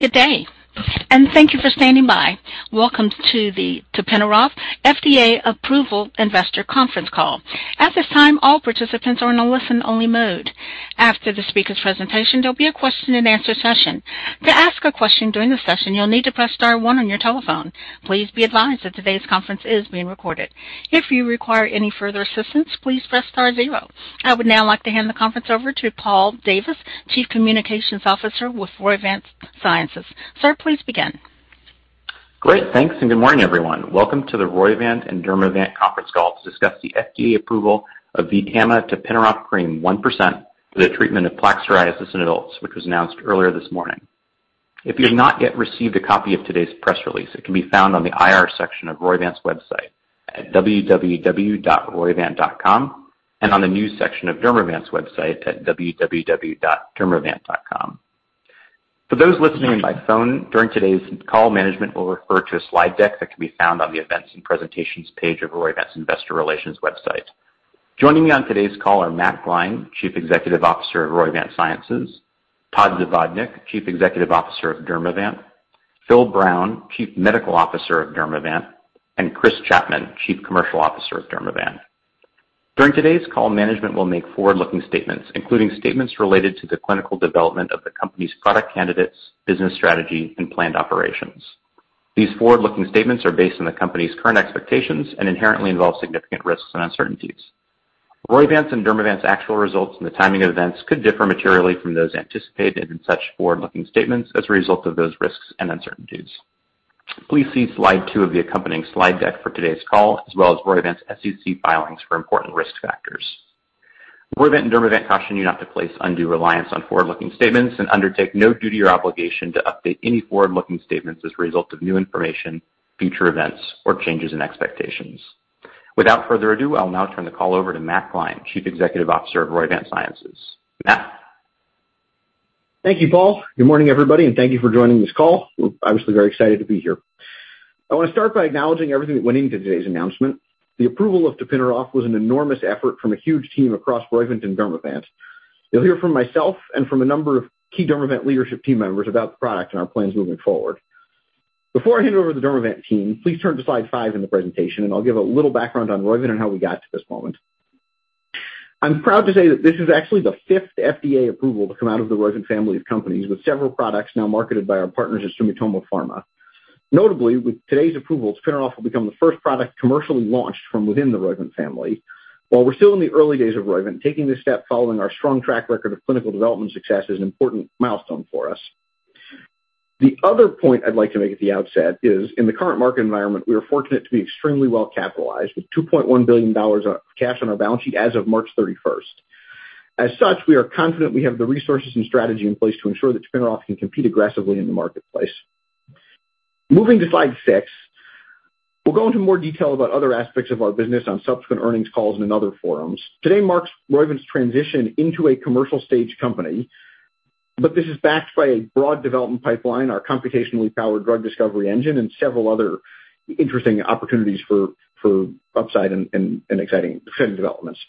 Good day, and thank you for standing by. Welcome to the tapinarof FDA approval investor conference call. At this time, all participants are in a listen-only mode. After the speaker's presentation, there'll be a question-and-answer session. To ask a question during the session, you'll need to press star one on your telephone. Please be advised that today's conference is being recorded. If you require any further assistance, please press star zero. I would now like to hand the conference over to Paul Davis, Chief Communications Officer with Roivant Sciences. Sir, please begin. Great. Thanks, and good morning, everyone. Welcome to the Roivant and Dermavant conference call to discuss the FDA approval of VTAMA tapinarof cream 1% for the treatment of plaque psoriasis in adults, which was announced earlier this morning. If you have not yet received a copy of today's press release, it can be found on the IR section of Roivant's website at www.roivant.com and on the news section of Dermavant's website at www.dermavant.com. For those listening by phone, during today's call, management will refer to a slide deck that can be found on the Events and Presentations page of Roivant's investor relations website. Joining me on today's call are Matt Gline, Chief Executive Officer of Roivant Sciences; Todd Zavodnick, Chief Executive Officer of Dermavant; Phil Brown, Chief Medical Officer of Dermavant; and Chris Chapman, Chief Commercial Officer of Dermavant. During today's call, management will make forward-looking statements, including statements related to the clinical development of the company's product candidates, business strategy, and planned operations. These forward-looking statements are based on the company's current expectations and inherently involve significant risks and uncertainties. Roivant's and Dermavant's actual results and the timing of events could differ materially from those anticipated in such forward-looking statements as a result of those risks and uncertainties. Please see slide two of the accompanying slide deck for today's call, as well as Roivant's SEC filings for important risk factors. Roivant and Dermavant caution you not to place undue reliance on forward-looking statements and undertake no duty or obligation to update any forward-looking statements as a result of new information, future events, or changes in expectations. Without further ado, I'll now turn the call over to Matt Gline, Chief Executive Officer of Roivant Sciences. Matt? Thank you, Paul. Good morning, everybody, and thank you for joining this call. We're obviously very excited to be here. I want to start by acknowledging everything that went into today's announcement. The approval of tapinarof was an enormous effort from a huge team across Roivant and Dermavant. You'll hear from myself and from a number of key Dermavant leadership team members about the product and our plans moving forward. Before I hand over to the Dermavant team, please turn to slide five in the presentation, and I'll give a little background on Roivant and how we got to this moment. I'm proud to say that this is actually the fifth FDA approval to come out of the Roivant family of companies, with several products now marketed by our partners at Sumitomo Pharma. Notably, with today's approval, tapinarof will become the first product commercially launched from within the Roivant family. While we're still in the early days of Roivant, taking this step following our strong track record of clinical development success is an important milestone for us. The other point I'd like to make at the outset is, in the current market environment, we are fortunate to be extremely well-capitalized, with $2.1 billion of cash on our balance sheet as of March 31. As such, we are confident we have the resources and strategy in place to ensure that tapinarof can compete aggressively in the marketplace. Moving to slide six, we'll go into more detail about other aspects of our business on subsequent earnings calls and in other forums. Today marks Roivant's transition into a commercial stage company, but this is backed by a broad development pipeline, our computationally powered drug discovery engine, and several other interesting opportunities for upside and exciting future developments.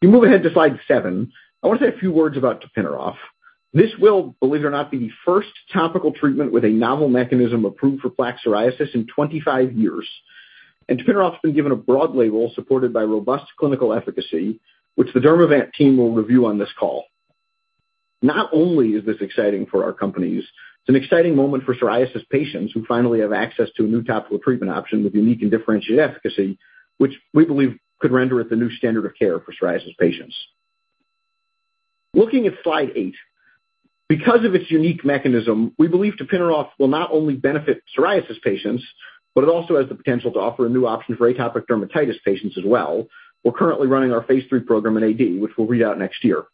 If you move ahead to slide seven, I want to say a few words about tapinarof. This will, believe it or not, be the first topical treatment with a novel mechanism approved for plaque psoriasis in 25 years. tapinarof's been given a broad label supported by robust clinical efficacy, which the Dermavant team will review on this call. Not only is this exciting for our companies, it's an exciting moment for psoriasis patients who finally have access to a new topical treatment option with unique and differentiated efficacy, which we believe could render it the new standard of care for psoriasis patients. Looking at slide eight, because of its unique mechanism, we believe tapinarof will not only benefit psoriasis patients, but it also has the potential to offer a new option for atopic dermatitis patients as well. We're currently running our phase III program in AD, which we'll read out next year.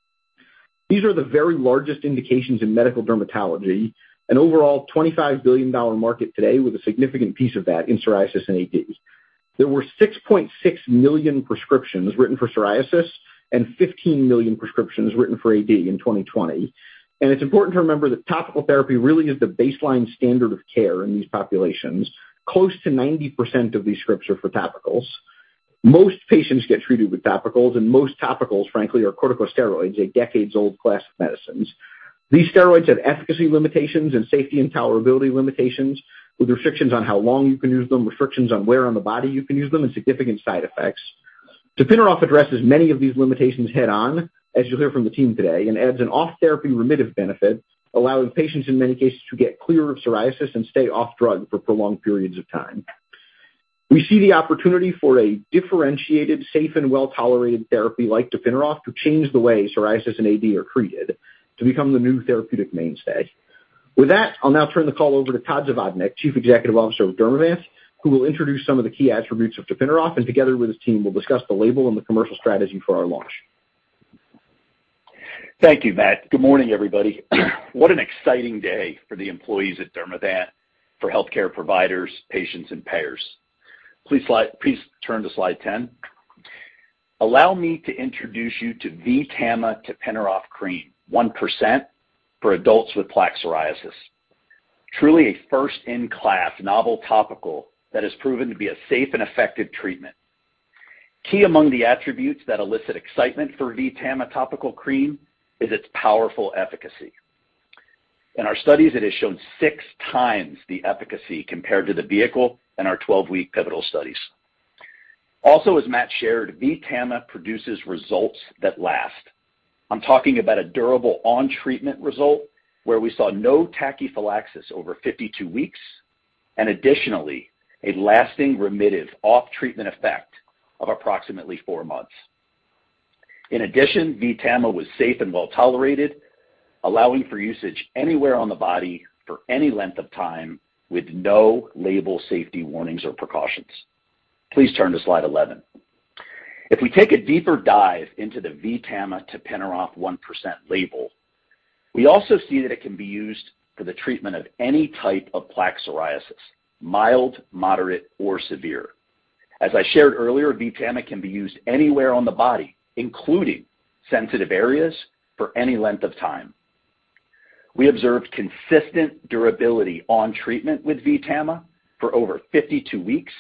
These are the very largest indications in medical dermatology, an overall $25 billion market today with a significant piece of that in psoriasis and AD. There were 6.6 million prescriptions written for psoriasis and 15 million prescriptions written for AD in 2020. It's important to remember that topical therapy really is the baseline standard of care in these populations. Close to 90% of these scripts are for topicals. Most patients get treated with topicals, and most topicals, frankly, are corticosteroids, a decades-old class of medicines. These steroids have efficacy limitations and safety and tolerability limitations, with restrictions on how long you can use them, restrictions on where on the body you can use them, and significant side effects. Tapinarof addresses many of these limitations head-on, as you'll hear from the team today, and adds an off-therapy remittive benefit, allowing patients, in many cases, to get clear of psoriasis and stay off drug for prolonged periods of time. We see the opportunity for a differentiated, safe, and well-tolerated therapy like tapinarof to change the way psoriasis and AD are treated to become the new therapeutic mainstay. With that, I'll now turn the call over to Todd Zavodnick, Chief Executive Officer of Dermavant, who will introduce some of the key attributes of tapinarof, and together with his team, will discuss the label and the commercial strategy for our launch. Thank you, Matt. Good morning, everybody. What an exciting day for the employees at Dermavant, for healthcare providers, patients, and payers. Please turn to slide 10. Allow me to introduce you to VTAMA tapinarof cream 1% for adults with plaque psoriasis. Truly a first-in-class novel topical that has proven to be a safe and effective treatment. Key among the attributes that elicit excitement for VTAMA topical cream is its powerful efficacy. In our studies, it has shown 6 times the efficacy compared to the vehicle in our 12-week pivotal studies. Also, as Matt shared, VTAMA produces results that last. I'm talking about a durable on-treatment result where we saw no tachyphylaxis over 52 weeks and additionally, a lasting remittive off-treatment effect of approximately four months. In addition, VTAMA was safe and well-tolerated, allowing for usage anywhere on the body for any length of time with no label safety warnings or precautions. Please turn to slide 11. If we take a deeper dive into the VTAMA tapinarof 1% label, we also see that it can be used for the treatment of any type of plaque psoriasis, mild, moderate, or severe. As I shared earlier, VTAMA can be used anywhere on the body, including sensitive areas, for any length of time. We observed consistent durability on treatment with VTAMA for over 52 weeks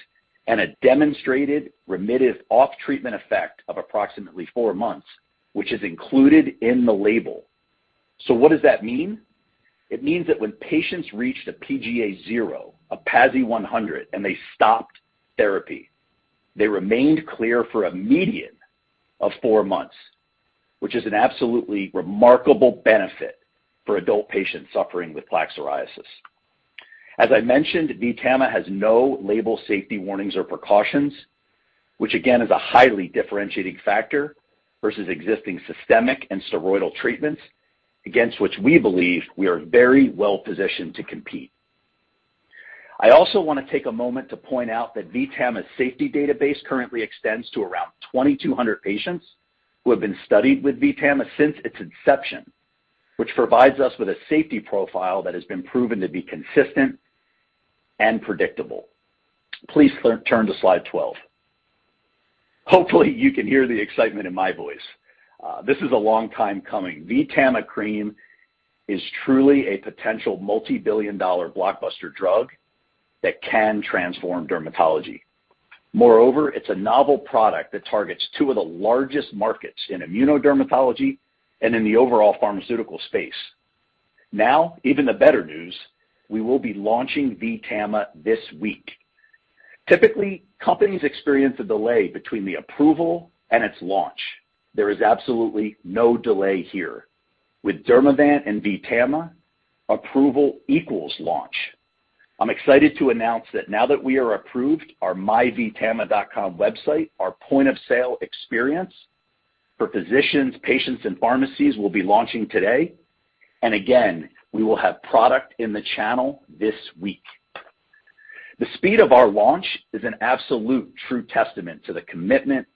and a demonstrated remittive off-treatment effect of approximately four months, which is included in the label. What does that mean? It means that when patients reached a PGA 0, a PASI 100 and they stopped therapy, they remained clear for a median of four months, which is an absolutely remarkable benefit for adult patients suffering with plaque psoriasis. As I mentioned, VTAMA has no label safety warnings or precautions, which again, is a highly differentiating factor versus existing systemic and steroidal treatments against which we believe we are very well-positioned to compete. I also want to take a moment to point out that VTAMA's safety database currently extends to around 2,200 patients who have been studied with VTAMA since its inception, which provides us with a safety profile that has been proven to be consistent and predictable. Please turn to slide 12. Hopefully, you can hear the excitement in my voice. This is a long time coming. VTAMA cream is truly a potential multi-billion dollar blockbuster drug that can transform dermatology. Moreover, it's a novel product that targets two of the largest markets in immunodermatology and in the overall pharmaceutical space. Now, even the better news, we will be launching VTAMA this week. Typically, companies experience a delay between the approval and its launch. There is absolutely no delay here. With Dermavant and VTAMA, approval equals launch. I'm excited to announce that now that we are approved, our MyVTAMA.com Website, our point-of-sale experience for physicians, patients, and pharmacies will be launching today. Again, we will have product in the channel this week. The speed of our launch is an absolute true testament to the commitment,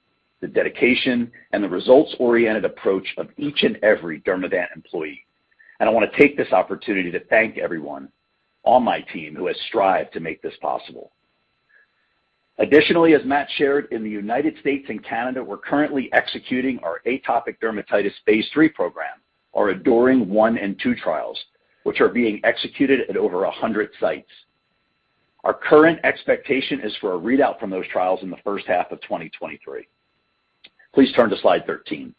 the dedication, and the results-oriented approach of each and every Dermavant employee. I want to take this opportunity to thank everyone on my team who has strived to make this possible. Additionally, as Matt shared, in the United States and Canada, we're currently executing our atopic dermatitis phase III program, our ADORING 1 and 2 trials, which are being executed at over 100 sites. Our current expectation is for a readout from those trials in the first half of 2023. Please turn to slide 13.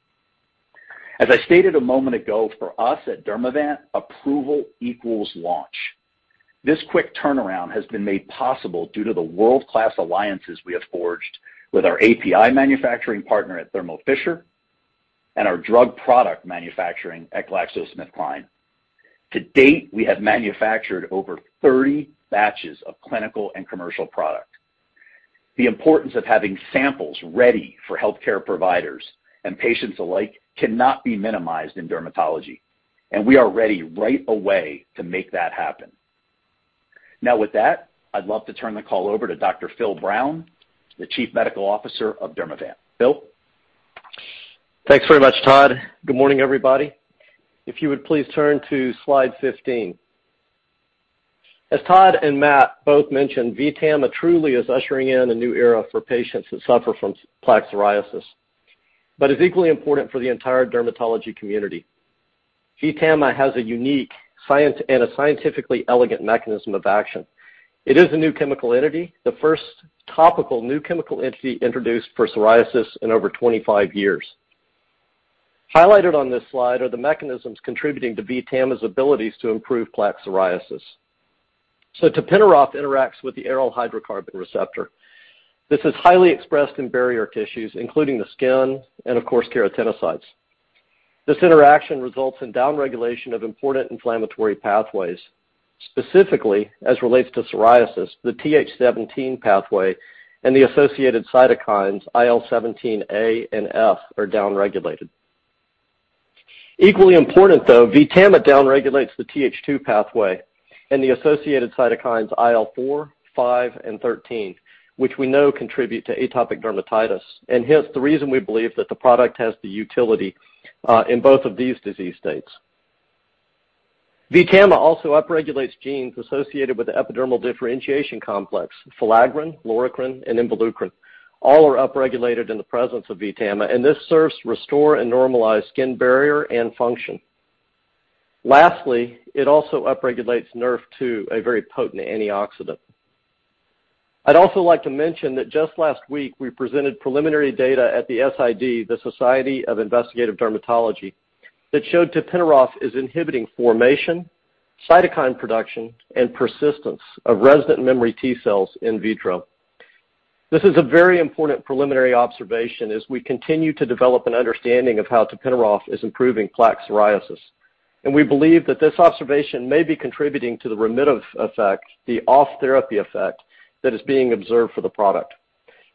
As I stated a moment ago, for us at Dermavant, approval equals launch. This quick turnaround has been made possible due to the world-class alliances we have forged with our API manufacturing partner at Thermo Fisher and our drug product manufacturing at GlaxoSmithKline. To date, we have manufactured over 30 batches of clinical and commercial product. The importance of having samples ready for healthcare providers and patients alike cannot be minimized in dermatology, and we are ready right away to make that happen. Now, with that, I'd love to turn the call over to Dr. Phil Brown, the Chief Medical Officer of Dermavant. Phil? Thanks very much, Todd. Good morning, everybody. If you would please turn to slide 15. As Todd and Matt both mentioned, VTAMA truly is ushering in a new era for patients that suffer from plaque psoriasis, but is equally important for the entire dermatology community. VTAMA has a unique science and a scientifically elegant mechanism of action. It is a new chemical entity, the first topical new chemical entity introduced for psoriasis in over 25 years. Highlighted on this slide are the mechanisms contributing to VTAMA's abilities to improve plaque psoriasis. Tapinarof interacts with the aryl hydrocarbon receptor. This is highly expressed in barrier tissues, including the skin and of course, keratinocytes. This interaction results in downregulation of important inflammatory pathways, specifically as relates to psoriasis, the Th17 pathway and the associated cytokines IL-17A and IL-17F are downregulated. Equally important, though, VTAMA downregulates the Th2 pathway and the associated cytokines IL-4, IL-5, and IL-13, which we know contribute to atopic dermatitis, and hence the reason we believe that the product has the utility in both of these disease states. VTAMA also upregulates genes associated with the epidermal differentiation complex, filaggrin, loricrin, and involucrin. All are upregulated in the presence of VTAMA, and this serves to restore and normalize skin barrier and function. Lastly, it also upregulates Nrf2, a very potent antioxidant. I'd also like to mention that just last week, we presented preliminary data at the SID, the Society for Investigative Dermatology, that showed tapinarof is inhibiting formation, cytokine production, and persistence of resident memory T cells in vitro. This is a very important preliminary observation as we continue to develop an understanding of how tapinarof is improving plaque psoriasis. We believe that this observation may be contributing to the remittive effect, the off-therapy effect that is being observed for the product.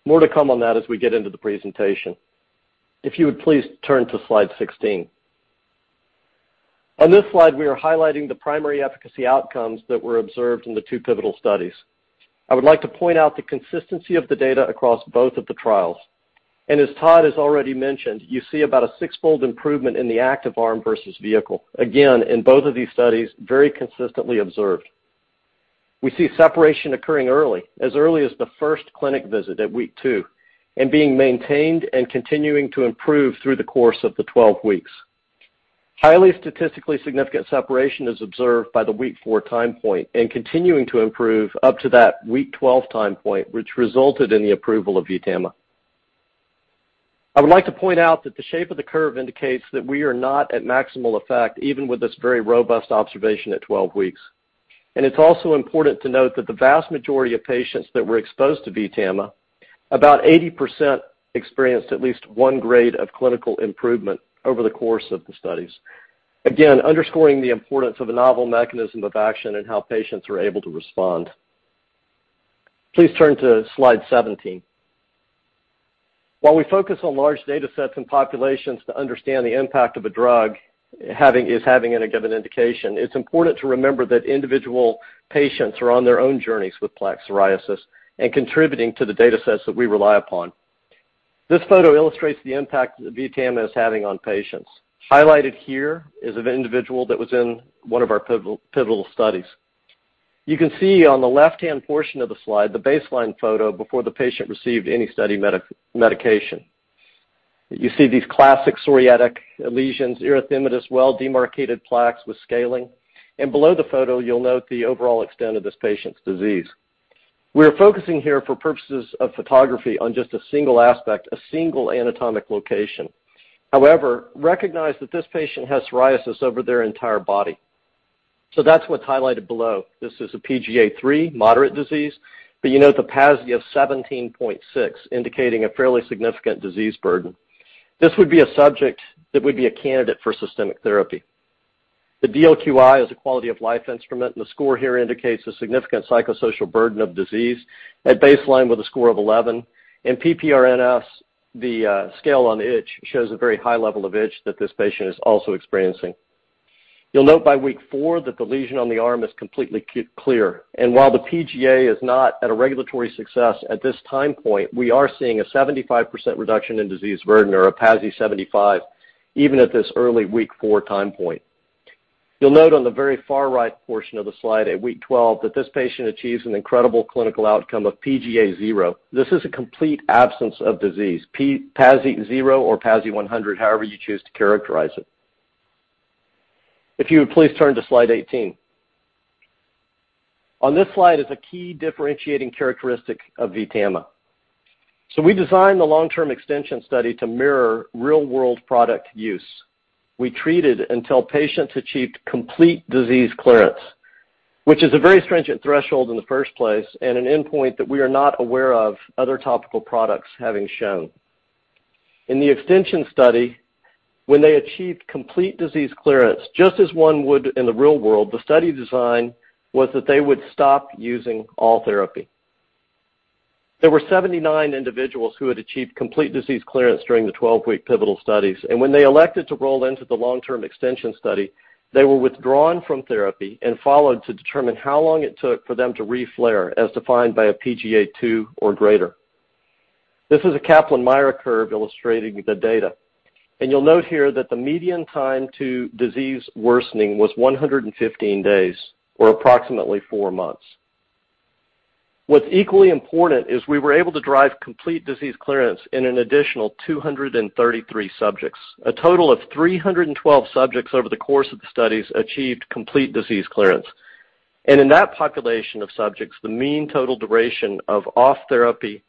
More to come on that as we get into the presentation. If you would please turn to slide 16. On this slide, we are highlighting the primary efficacy outcomes that were observed in the two pivotal studies. I would like to point out the consistency of the data across both of the trials. As Todd has already mentioned, you see about a six-fold improvement in the active arm versus vehicle. Again, in both of these studies, very consistently observed. We see separation occurring early, as early as the first clinic visit at week two, and being maintained and continuing to improve through the course of the 12 weeks. Highly statistically significant separation is observed by the week four time point and continuing to improve up to that week 12 time point, which resulted in the approval of VTAMA. I would like to point out that the shape of the curve indicates that we are not at maximal effect even with this very robust observation at 12 weeks. It's also important to note that the vast majority of patients that were exposed to VTAMA, about 80% experienced at least one grade of clinical improvement over the course of the studies. Again, underscoring the importance of a novel mechanism of action and how patients are able to respond. Please turn to slide 17. While we focus on large data sets and populations to understand the impact of a drug is having in a given indication, it's important to remember that individual patients are on their own journeys with plaque psoriasis and contributing to the data sets that we rely upon. This photo illustrates the impact that VTAMA is having on patients. Highlighted here is of an individual that was in one of our pivotal studies. You can see on the left-hand portion of the slide, the baseline photo before the patient received any study medication. You see these classic psoriatic lesions, erythematous, well-demarcated plaques with scaling. Below the photo, you'll note the overall extent of this patient's disease. We're focusing here for purposes of photography on just a single aspect, a single anatomic location. However, recognize that this patient has psoriasis over their entire body. That's what's highlighted below. This is a PGA three moderate disease, but you note the PASI of 17.6, indicating a fairly significant disease burden. This would be a subject that would be a candidate for systemic therapy. The DLQI is a quality of life instrument, and the score here indicates a significant psychosocial burden of disease at baseline with a score of 11. PP-NRS, the scale on itch, shows a very high level of itch that this patient is also experiencing. You'll note by week four that the lesion on the arm is completely clear. While the PGA is not at a regulatory success at this time point, we are seeing a 75% reduction in disease burden or a PASI 75 even at this early week four time point. You'll note on the very far right portion of the slide at week 12 that this patient achieves an incredible clinical outcome of PGA 0. This is a complete absence of disease, P-PASI 0 or PASI 100, however you choose to characterize it. If you would please turn to slide 18. On this slide is a key differentiating characteristic of VTAMA. We designed the long-term extension study to mirror real-world product use. We treated until patients achieved complete disease clearance, which is a very stringent threshold in the first place and an endpoint that we are not aware of other topical products having shown. In the extension study, when they achieved complete disease clearance, just as one would in the real world, the study design was that they would stop using all therapy. There were 79 individuals who had achieved complete disease clearance during the 12-week pivotal studies, and when they elected to roll into the long-term extension study, they were withdrawn from therapy and followed to determine how long it took for them to re-flare, as defined by a PGA 2 or greater. This is a Kaplan-Meier curve illustrating the data. You'll note here that the median time to disease worsening was 115 days or approximately four months. What's equally important is we were able to drive complete disease clearance in an additional 233 subjects. A total of 312 subjects over the course of the studies achieved complete disease clearance. In that population of subjects, the mean total duration of off therapy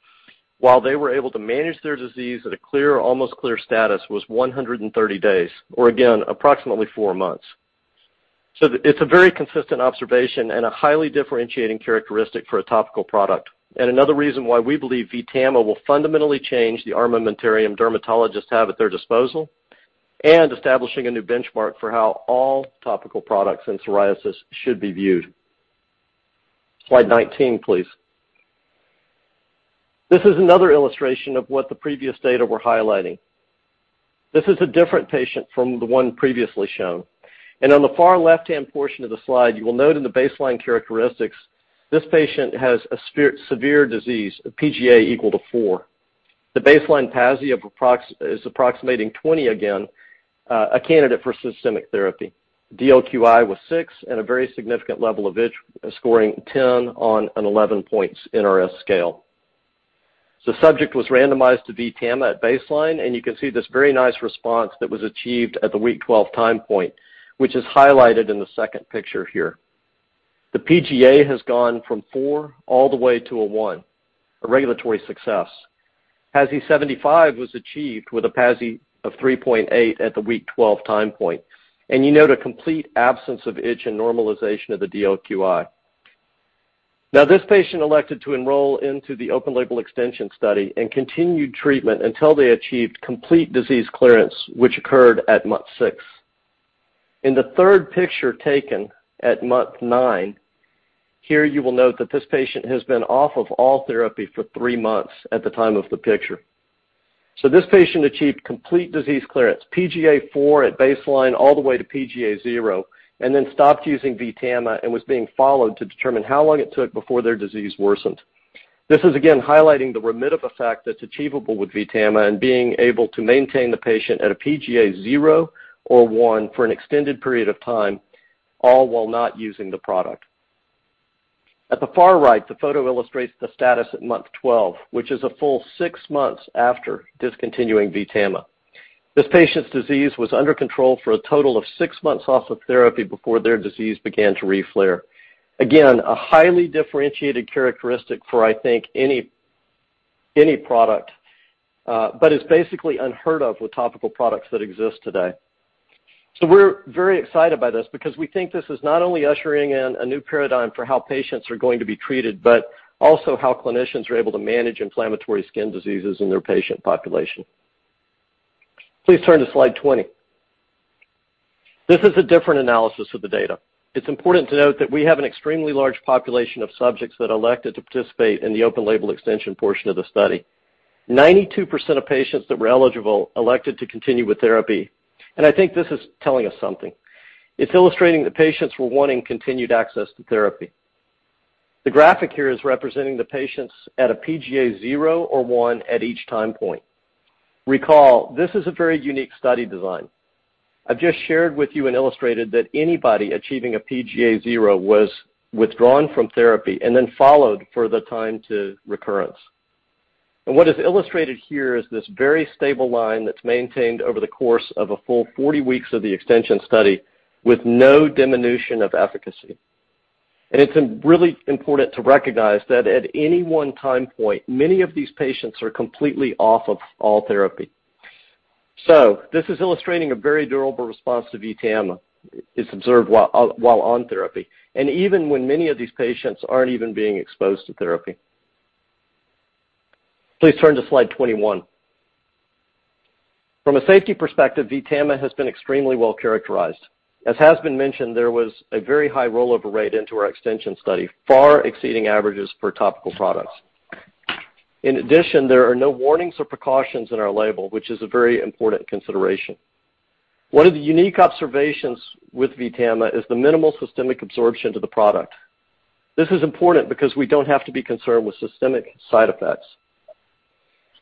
while they were able to manage their disease at a clear or almost clear status was 130 days, or again approximately four months. It's a very consistent observation and a highly differentiating characteristic for a topical product and another reason why we believe VTAMA will fundamentally change the armamentarium dermatologists have at their disposal and establishing a new benchmark for how all topical products in psoriasis should be viewed. Slide 19, please. This is another illustration of what the previous data were highlighting. This is a different patient from the one previously shown. On the far left-hand portion of the slide, you will note in the baseline characteristics this patient has a severe disease, a PGA equal to four. The baseline PASI is approximating 20 again, a candidate for systemic therapy. DLQI was six and a very significant level of itch, scoring 10 on an 11-point NRS scale. The subject was randomized to VTAMA at baseline, and you can see this very nice response that was achieved at the week 12 time point, which is highlighted in the second picture here. The PGA has gone from four all the way to a one, a regulatory success. PASI 75 was achieved with a PASI of 3.8 at the week 12 time point, and you note a complete absence of itch and normalization of the DLQI. Now, this patient elected to enroll into the open-label extension study and continued treatment until they achieved complete disease clearance, which occurred at month six. In the third picture taken at month nine, here you will note that this patient has been off of all therapy for three months at the time of the picture. This patient achieved complete disease clearance, PGA 4 at baseline all the way to PGA 0, and then stopped using VTAMA and was being followed to determine how long it took before their disease worsened. This is again highlighting the remittive effect that's achievable with VTAMA and being able to maintain the patient at a PGA 0 or 1 for an extended period of time, all while not using the product. At the far right, the photo illustrates the status at month 12, which is a full six months after discontinuing VTAMA. This patient's disease was under control for a total of six months off of therapy before their disease began to re-flare. Again, a highly differentiated characteristic for, I think, any product, but it's basically unheard of with topical products that exist today. We're very excited by this because we think this is not only ushering in a new paradigm for how patients are going to be treated, but also how clinicians are able to manage inflammatory skin diseases in their patient population. Please turn to slide 20. This is a different analysis of the data. It's important to note that we have an extremely large population of subjects that elected to participate in the open-label extension portion of the study. 92% of patients that were eligible elected to continue with therapy, and I think this is telling us something. It's illustrating that patients were wanting continued access to therapy. The graphic here is representing the patients at a PGA 0 or one at each time point. Recall, this is a very unique study design. I've just shared with you and illustrated that anybody achieving a PGA 0 was withdrawn from therapy and then followed for the time to recurrence. What is illustrated here is this very stable line that's maintained over the course of a full 40 weeks of the extension study with no diminution of efficacy. It's really important to recognize that at any one time point, many of these patients are completely off of all therapy. This is illustrating a very durable response to VTAMA. It's observed while on therapy, and even when many of these patients aren't even being exposed to therapy. Please turn to slide 21. From a safety perspective, VTAMA has been extremely well-characterized. As has been mentioned, there was a very high rollover rate into our extension study, far exceeding averages for topical products. In addition, there are no warnings or precautions in our label, which is a very important consideration. One of the unique observations with VTAMA is the minimal systemic absorption to the product. This is important because we don't have to be concerned with systemic side effects.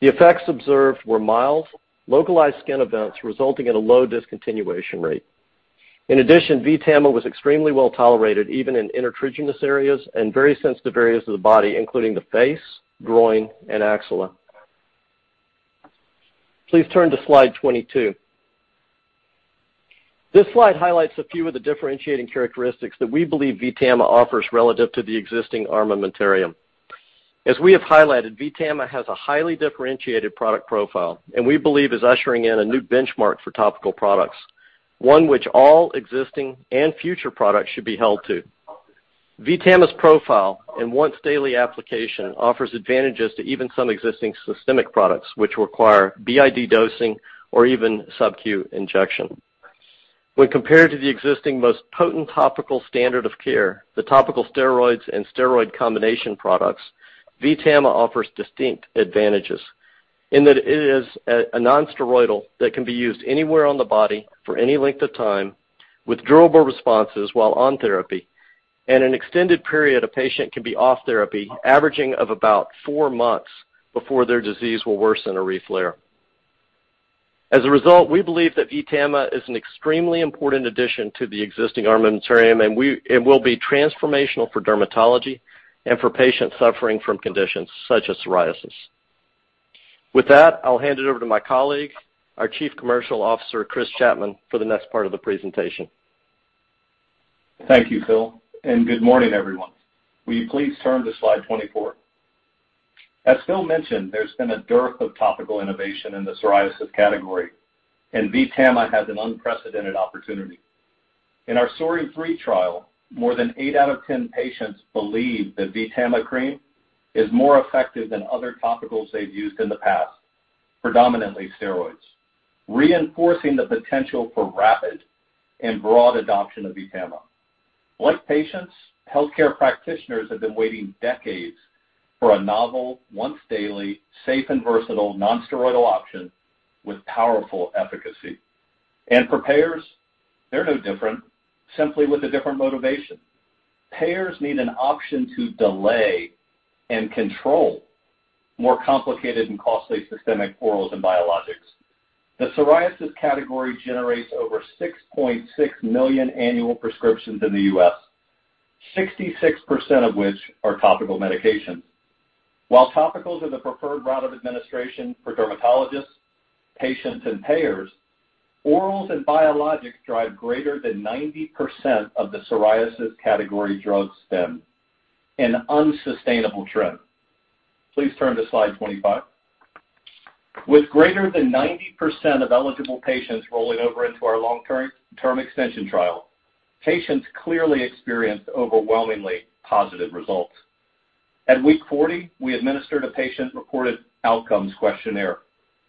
The effects observed were mild, localized skin events resulting in a low discontinuation rate. In addition, VTAMA was extremely well-tolerated, even in intertriginous areas and very sensitive areas of the body, including the face, groin, and axilla. Please turn to slide 22. This slide highlights a few of the differentiating characteristics that we believe VTAMA offers relative to the existing armamentarium. As we have highlighted, VTAMA has a highly differentiated product profile and we believe is ushering in a new benchmark for topical products, one which all existing and future products should be held to. VTAMA's profile and once-daily application offers advantages to even some existing systemic products, which require BID dosing or even subQ injection. When compared to the existing most potent topical standard of care, the topical steroids and steroid combination products, VTAMA offers distinct advantages in that it is a non-steroidal that can be used anywhere on the body for any length of time with durable responses while on therapy and an extended period a patient can be off therapy, averaging of about four months before their disease will worsen or re-flare. As a result, we believe that VTAMA is an extremely important addition to the existing armamentarium, and it will be transformational for dermatology and for patients suffering from conditions such as psoriasis. With that, I'll hand it over to my colleague, our Chief Commercial Officer, Chris Chapman, for the next part of the presentation. Thank you, Phil, and good morning, everyone. Will you please turn to slide 24? As Phil mentioned, there's been a dearth of topical innovation in the psoriasis category, and VTAMA has an unprecedented opportunity. In our PSOARING 3 trial, more than eight out of 10 patients believe that VTAMA cream is more effective than other topicals they've used in the past, predominantly steroids, reinforcing the potential for rapid and broad adoption of VTAMA. Like patients, healthcare practitioners have been waiting decades for a novel, once-daily, safe and versatile, non-steroidal option with powerful efficacy. For payers, they're no different, simply with a different motivation. Payers need an option to delay and control more complicated and costly systemic orals and biologics. The psoriasis category generates over 6.6 million annual prescriptions in the U.S. 66% of which are topical medications. While topicals are the preferred route of administration for dermatologists, patients, and payers, orals and biologics drive greater than 90% of the psoriasis category drug spend, an unsustainable trend. Please turn to slide 25. With greater than 90% of eligible patients rolling over into our long-term extension trial, patients clearly experienced overwhelmingly positive results. At week 40, we administered a patient-reported outcomes questionnaire,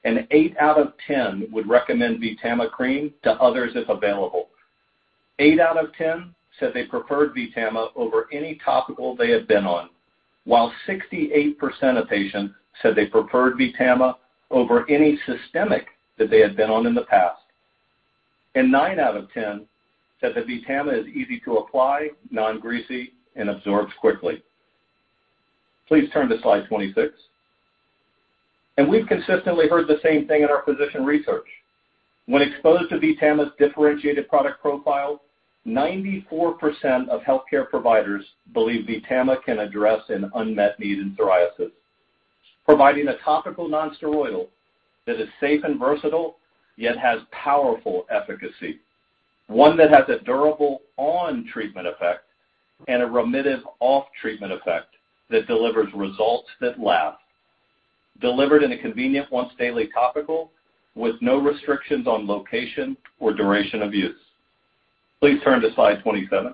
and eight out of 10 would recommend VTAMA cream to others if available. Eight out of 10 said they preferred VTAMA over any topical they had been on, while 68% of patients said they preferred VTAMA over any systemic that they had been on in the past. Nine out of 10 said that VTAMA is easy to apply, non-greasy, and absorbs quickly. Please turn to slide 26. We've consistently heard the same thing in our physician research. When exposed to VTAMA's differentiated product profile, 94% of healthcare providers believe VTAMA can address an unmet need in psoriasis. Providing a topical non-steroidal that is safe and versatile, yet has powerful efficacy. One that has a durable on-treatment effect and a remittent off-treatment effect that delivers results that last. Delivered in a convenient once-daily topical with no restrictions on location or duration of use. Please turn to slide 27.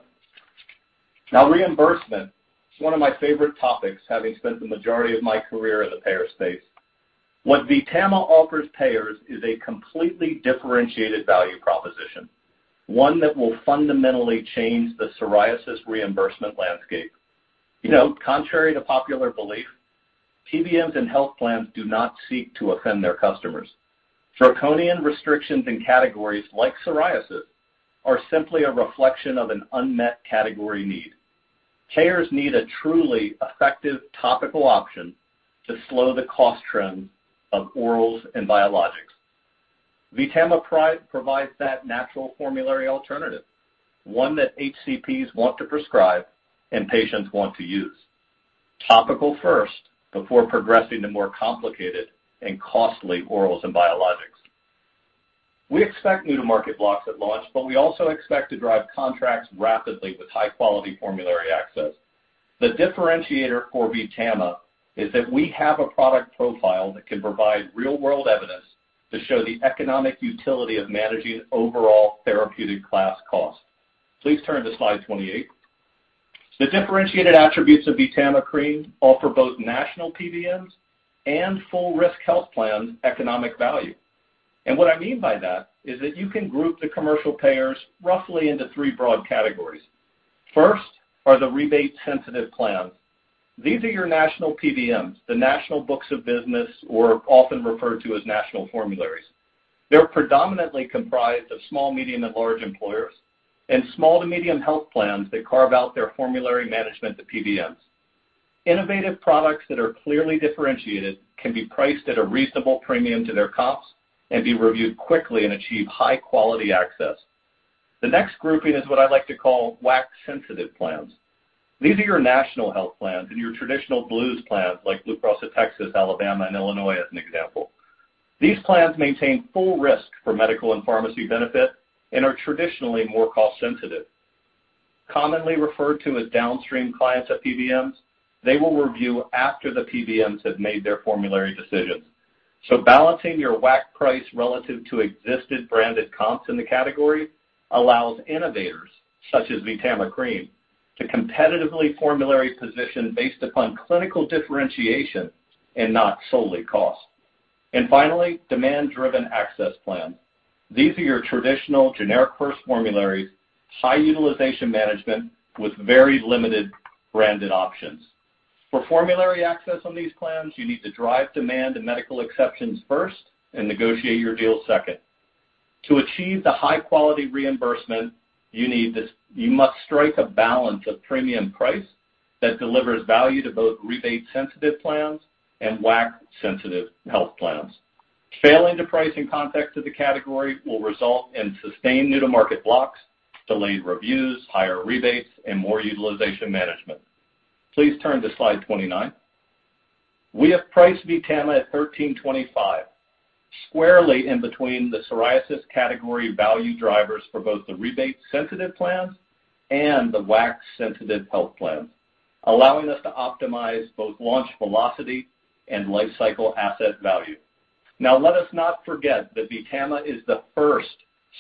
Now reimbursement, it's one of my favorite topics, having spent the majority of my career in the payer space. What VTAMA offers payers is a completely differentiated value proposition, one that will fundamentally change the psoriasis reimbursement landscape. You know, contrary to popular belief, PBMs and health plans do not seek to offend their customers. Draconian restrictions in categories like psoriasis are simply a reflection of an unmet category need. Payers need a truly effective topical option to slow the cost trend of orals and biologics. VTAMA provides that natural formulary alternative, one that HCPs want to prescribe and patients want to use. Topical first before progressing to more complicated and costly orals and biologics. We expect new to market blocks at launch, but we also expect to drive contracts rapidly with high-quality formulary access. The differentiator for VTAMA is that we have a product profile that can provide real-world evidence to show the economic utility of managing overall therapeutic class cost. Please turn to slide 28. The differentiated attributes of VTAMA cream offer both national PBMs and full risk health plans economic value. What I mean by that is that you can group the commercial payers roughly into three broad categories. First are the rebate-sensitive plans. These are your national PBMs, the national books of business, or often referred to as national formularies. They're predominantly comprised of small, medium, and large employers and small to medium health plans that carve out their formulary management to PBMs. Innovative products that are clearly differentiated can be priced at a reasonable premium to their comps and be reviewed quickly and achieve high-quality access. The next grouping is what I like to call WAC-sensitive plans. These are your national health plans and your traditional Blues plans like Blue Cross of Texas, Alabama, and Illinois, as an example. These plans maintain full risk for medical and pharmacy benefit and are traditionally more cost-sensitive. Commonly referred to as downstream clients at PBMs, they will review after the PBMs have made their formulary decisions. Balancing your WAC price relative to existing branded comps in the category allows innovators such as VTAMA cream to competitively formulary position based upon clinical differentiation and not solely cost. Finally, demand-driven access plans. These are your traditional generic first formularies, high utilization management with very limited branded options. For formulary access on these plans, you need to drive demand and medical exceptions first and negotiate your deal second. To achieve the high-quality reimbursement you need this, you must strike a balance of premium price that delivers value to both rebate-sensitive plans and WAC-sensitive health plans. Failing to price in context to the category will result in sustained new-to-market blocks, delayed reviews, higher rebates, and more utilization management. Please turn to slide 29. We have priced VTAMA at $13.25, squarely in between the psoriasis category value drivers for both the rebate-sensitive plans and the WAC-sensitive health plans, allowing us to optimize both launch velocity and life cycle asset value. Now let us not forget that VTAMA is the first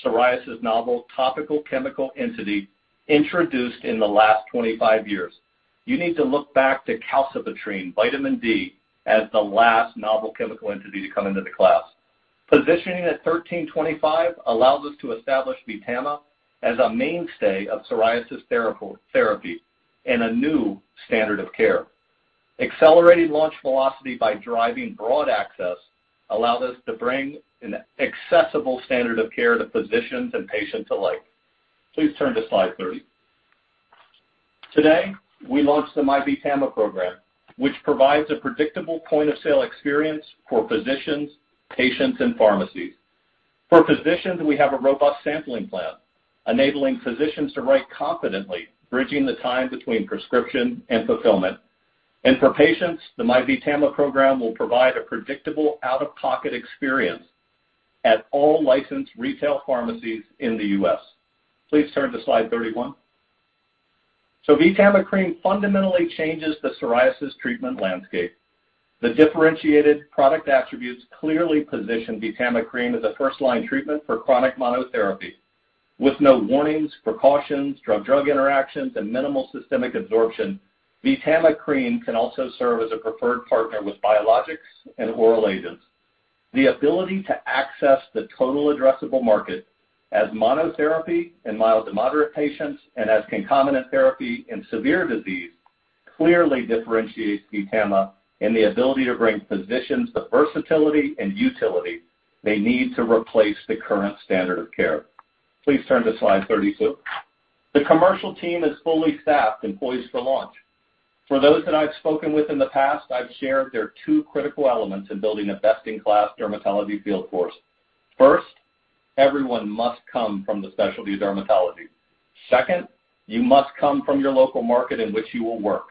psoriasis novel topical chemical entity introduced in the last 25 years. You need to look back to calcipotriene, vitamin D, as the last novel chemical entity to come into the class. Positioning at $13.25 allows us to establish VTAMA as a mainstay of psoriasis therapy and a new standard of care. Accelerating launch velocity by driving broad access allows us to bring an accessible standard of care to physicians and patients alike. Please turn to slide 30. Today, we launched the MyVTAMA program, which provides a predictable point-of-sale experience for physicians, patients, and pharmacies. For physicians, we have a robust sampling plan enabling physicians to write confidently, bridging the time between prescription and fulfillment. For patients, the MyVTAMA program will provide a predictable out-of-pocket experience at all licensed retail pharmacies in the U.S. Please turn to slide 31. VTAMA cream fundamentally changes the psoriasis treatment landscape. The differentiated product attributes clearly position VTAMA cream as a first-line treatment for chronic monotherapy. With no warnings, precautions, drug-drug interactions, and minimal systemic absorption, VTAMA cream can also serve as a preferred partner with biologics and oral agents. The ability to access the total addressable market as monotherapy in mild to moderate patients and as concomitant therapy in severe disease clearly differentiates VTAMA in the ability to bring physicians the versatility and utility they need to replace the current standard of care. Please turn to slide 32. The commercial team is fully staffed and poised for launch. For those that I've spoken with in the past, I've shared there are two critical elements in building a best-in-class dermatology field force. First, everyone must come from the specialty dermatology. Second, you must come from your local market in which you will work.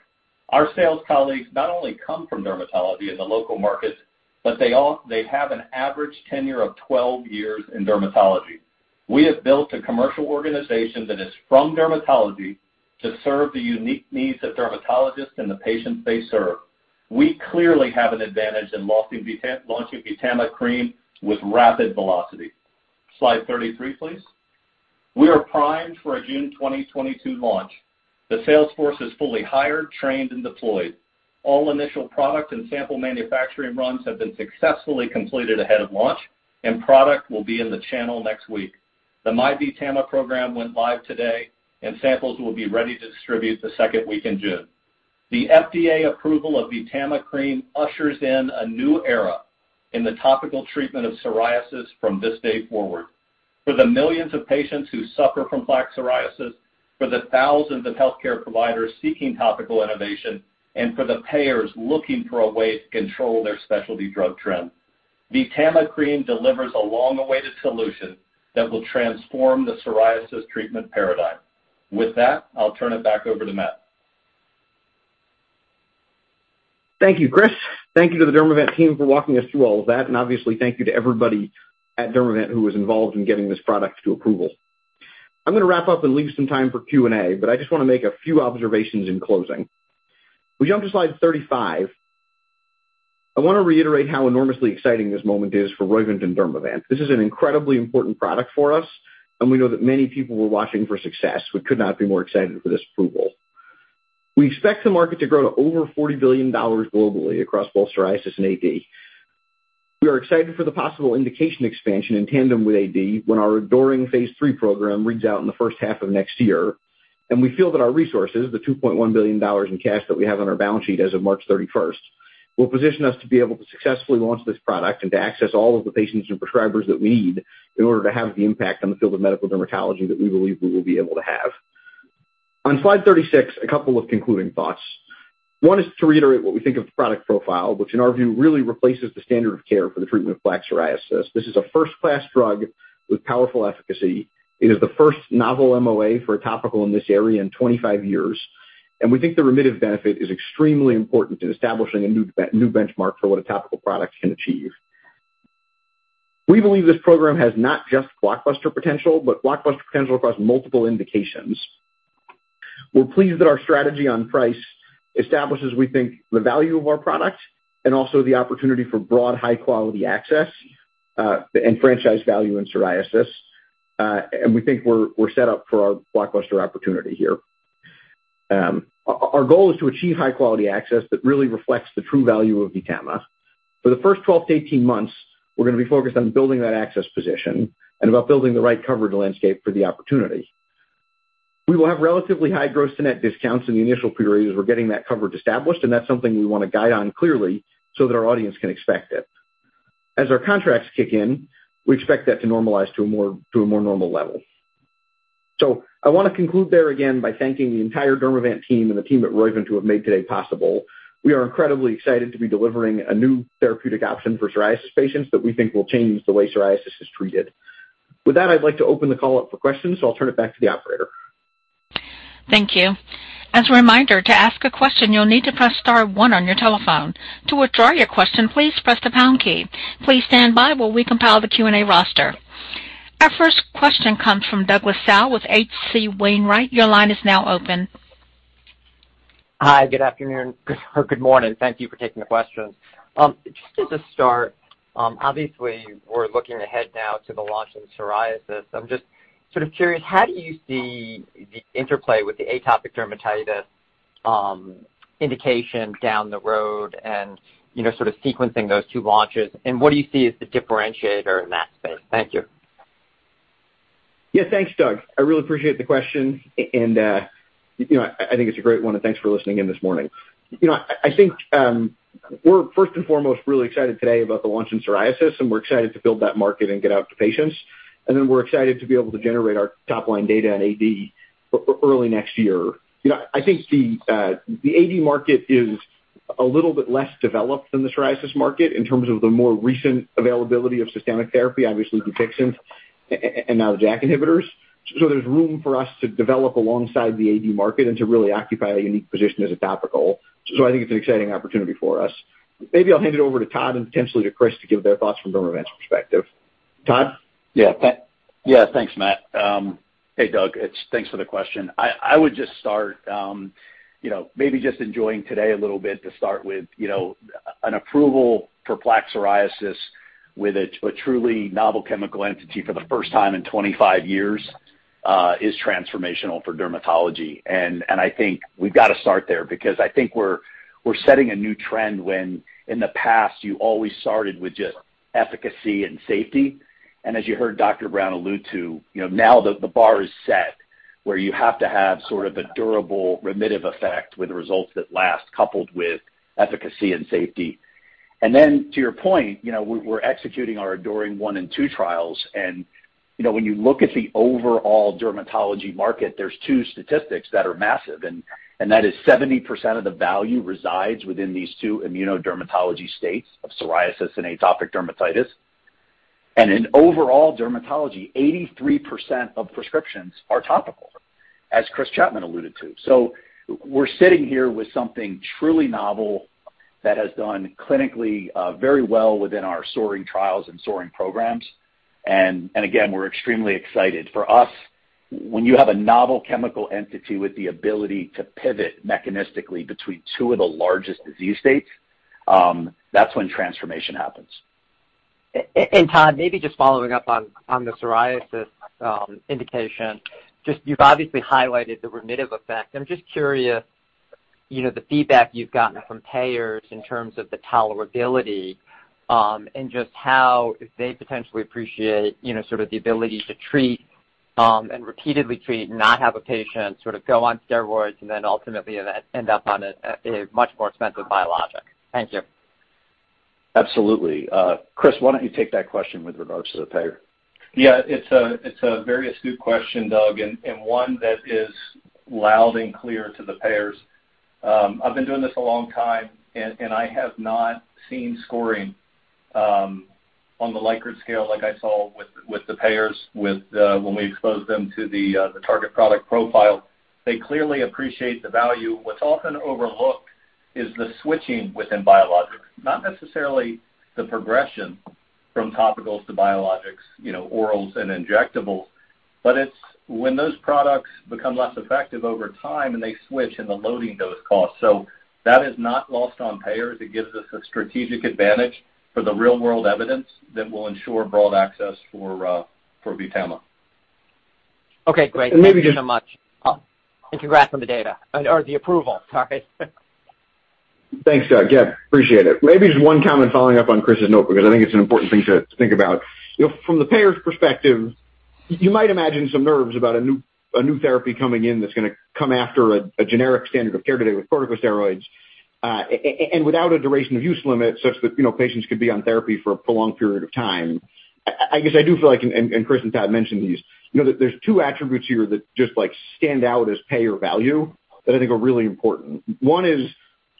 Our sales colleagues not only come from dermatology in the local markets, but they all have an average tenure of 12 years in dermatology. We have built a commercial organization that is from dermatology to serve the unique needs of dermatologists and the patients they serve. We clearly have an advantage in launching VTAMA cream with rapid velocity. Slide 33, please. We are primed for a June 2022 launch. The sales force is fully hired, trained, and deployed. All initial product and sample manufacturing runs have been successfully completed ahead of launch, and product will be in the channel next week. The MyVTAMA program went live today, and samples will be ready to distribute the second week in June. The FDA approval of VTAMA cream ushers in a new era in the topical treatment of psoriasis from this day forward. For the millions of patients who suffer from plaque psoriasis, for the thousands of healthcare providers seeking topical innovation, and for the payers looking for a way to control their specialty drug trend, VTAMA cream delivers a long-awaited solution that will transform the psoriasis treatment paradigm. With that, I'll turn it back over to Matt. Thank you, Chris. Thank you to the Dermavant team for walking us through all of that, and obviously thank you to everybody at Dermavant who was involved in getting this product to approval. I'm gonna wrap up and leave some time for Q&A, but I just wanna make a few observations in closing. We jump to slide 35. I wanna reiterate how enormously exciting this moment is for Roivant and Dermavant. This is an incredibly important product for us, and we know that many people were watching for success. We could not be more excited for this approval. We expect the market to grow to over $40 billion globally across both psoriasis and AD. We are excited for the possible indication expansion in tandem with AD when our ADORING phase III program reads out in the first half of next year. We feel that our resources, the $2.1 billion in cash that we have on our balance sheet as of March 31, will position us to be able to successfully launch this product and to access all of the patients and prescribers that we need in order to have the impact on the field of medical dermatology that we believe we will be able to have. On slide 36, a couple of concluding thoughts. One is to reiterate what we think of the product profile, which in our view really replaces the standard of care for the treatment of plaque psoriasis. This is a first-class drug with powerful efficacy. It is the first novel MOA for a topical in this area in 25 years, and we think the remittive benefit is extremely important in establishing a new benchmark for what a topical product can achieve. We believe this program has not just blockbuster potential, but blockbuster potential across multiple indications. We're pleased that our strategy on price establishes, we think, the value of our product and also the opportunity for broad high-quality access, and franchise value in psoriasis. We think we're set up for a blockbuster opportunity here. Our goal is to achieve high-quality access that really reflects the true value of VTAMA. For the first 12-18 months, we're gonna be focused on building that access position and about building the right coverage landscape for the opportunity. We will have relatively high gross to net discounts in the initial period as we're getting that coverage established, and that's something we wanna guide on clearly so that our audience can expect it. As our contracts kick in, we expect that to normalize to a more normal level. I wanna conclude there again by thanking the entire Dermavant team and the team at Roivant who have made today possible. We are incredibly excited to be delivering a new therapeutic option for psoriasis patients that we think will change the way psoriasis is treated. With that, I'd like to open the call up for questions, so I'll turn it back to the operator. Thank you. As a reminder, to ask a question, you'll need to press star one on your telephone. To withdraw your question, please press the pound key. Please stand by while we compile the Q&A roster. Our first question comes from Douglas Tsao with H.C. Wainwright. Your line is now open. Hi. Good afternoon. Good morning. Thank you for taking the questions. Just as a start, obviously we're looking ahead now to the launch in psoriasis. I'm just sort of curious, how do you see the interplay with the atopic dermatitis indication down the road and, you know, sort of sequencing those two launches? What do you see as the differentiator in that space? Thank you. Yeah. Thanks, Doug. I really appreciate the question. You know, I think it's a great one, and thanks for listening in this morning. You know, I think, we're first and foremost really excited today about the launch in psoriasis, and we're excited to build that market and get out to patients. Then we're excited to be able to generate our top-line data in AD early next year. You know, I think the AD market is a little bit less developed than the psoriasis market in terms of the more recent availability of systemic therapy, obviously Dupixent and now the JAK inhibitors. There's room for us to develop alongside the AD market and to really occupy a unique position as a topical. I think it's an exciting opportunity for us. Maybe I'll hand it over to Todd and potentially to Chris to give their thoughts from Dermavant's perspective. Todd? Yeah. Yeah, thanks, Matt. Hey, Doug, thanks for the question. I would just start, you know, maybe just enjoying today a little bit to start with, you know, an approval for plaque psoriasis with a truly novel chemical entity for the first time in 25 years is transformational for dermatology. I think we've got to start there because I think we're setting a new trend when in the past you always started with just efficacy and safety. As you heard Dr. Brown allude to, you know, now the bar is set where you have to have sort of a durable remittive effect with results that last coupled with efficacy and safety. Then to your point, you know, we're executing our ADORING 1 and 2 trials. You know, when you look at the overall dermatology market, there's two statistics that are massive, and that is 70% of the value resides within these two immunodermatology states of psoriasis and atopic dermatitis. In overall dermatology, 83% of prescriptions are topical, as Chris Chapman alluded to. We're sitting here with something truly novel that has done clinically very well within our SOARING trials and SOARING programs. Again, we're extremely excited. For us, when you have a novel chemical entity with the ability to pivot mechanistically between two of the largest disease states, that's when transformation happens. Todd, maybe just following up on the psoriasis indication, just you've obviously highlighted the remittive effect. I'm just curious, you know, the feedback you've gotten from payers in terms of the tolerability, and just how they potentially appreciate, you know, sort of the ability to treat and repeatedly treat, not have a patient sort of go on steroids and then ultimately end up on a much more expensive biologic. Thank you. Absolutely. Chris, why don't you take that question with regards to the payer? Yeah, it's a very astute question, Doug, and one that is loud and clear to the payers. I've been doing this a long time, and I have not seen scoring on the Likert scale like I saw with the payers when we exposed them to the target product profile. They clearly appreciate the value. What's often overlooked is the switching within biologics, not necessarily the progression from topicals to biologics, you know, orals and injectables, but it's when those products become less effective over time and they switch in the loading dose cost. That is not lost on payers. It gives us a strategic advantage for the real-world evidence that will ensure broad access for VTAMA. Okay, great. Maybe just Thank you so much. Congrats on the data or the approval. Sorry. Thanks, Doug. Yeah, appreciate it. Maybe just one comment following up on Chris's note, because I think it's an important thing to think about. You know, from the payer's perspective, you might imagine some nerves about a new therapy coming in that's gonna come after a generic standard of care today with corticosteroids and without a duration of use limit such that, you know, patients could be on therapy for a prolonged period of time. I guess I do feel like, and Chris and Todd mentioned these, you know, that there's two attributes here that just like stand out as payer value that I think are really important. One is,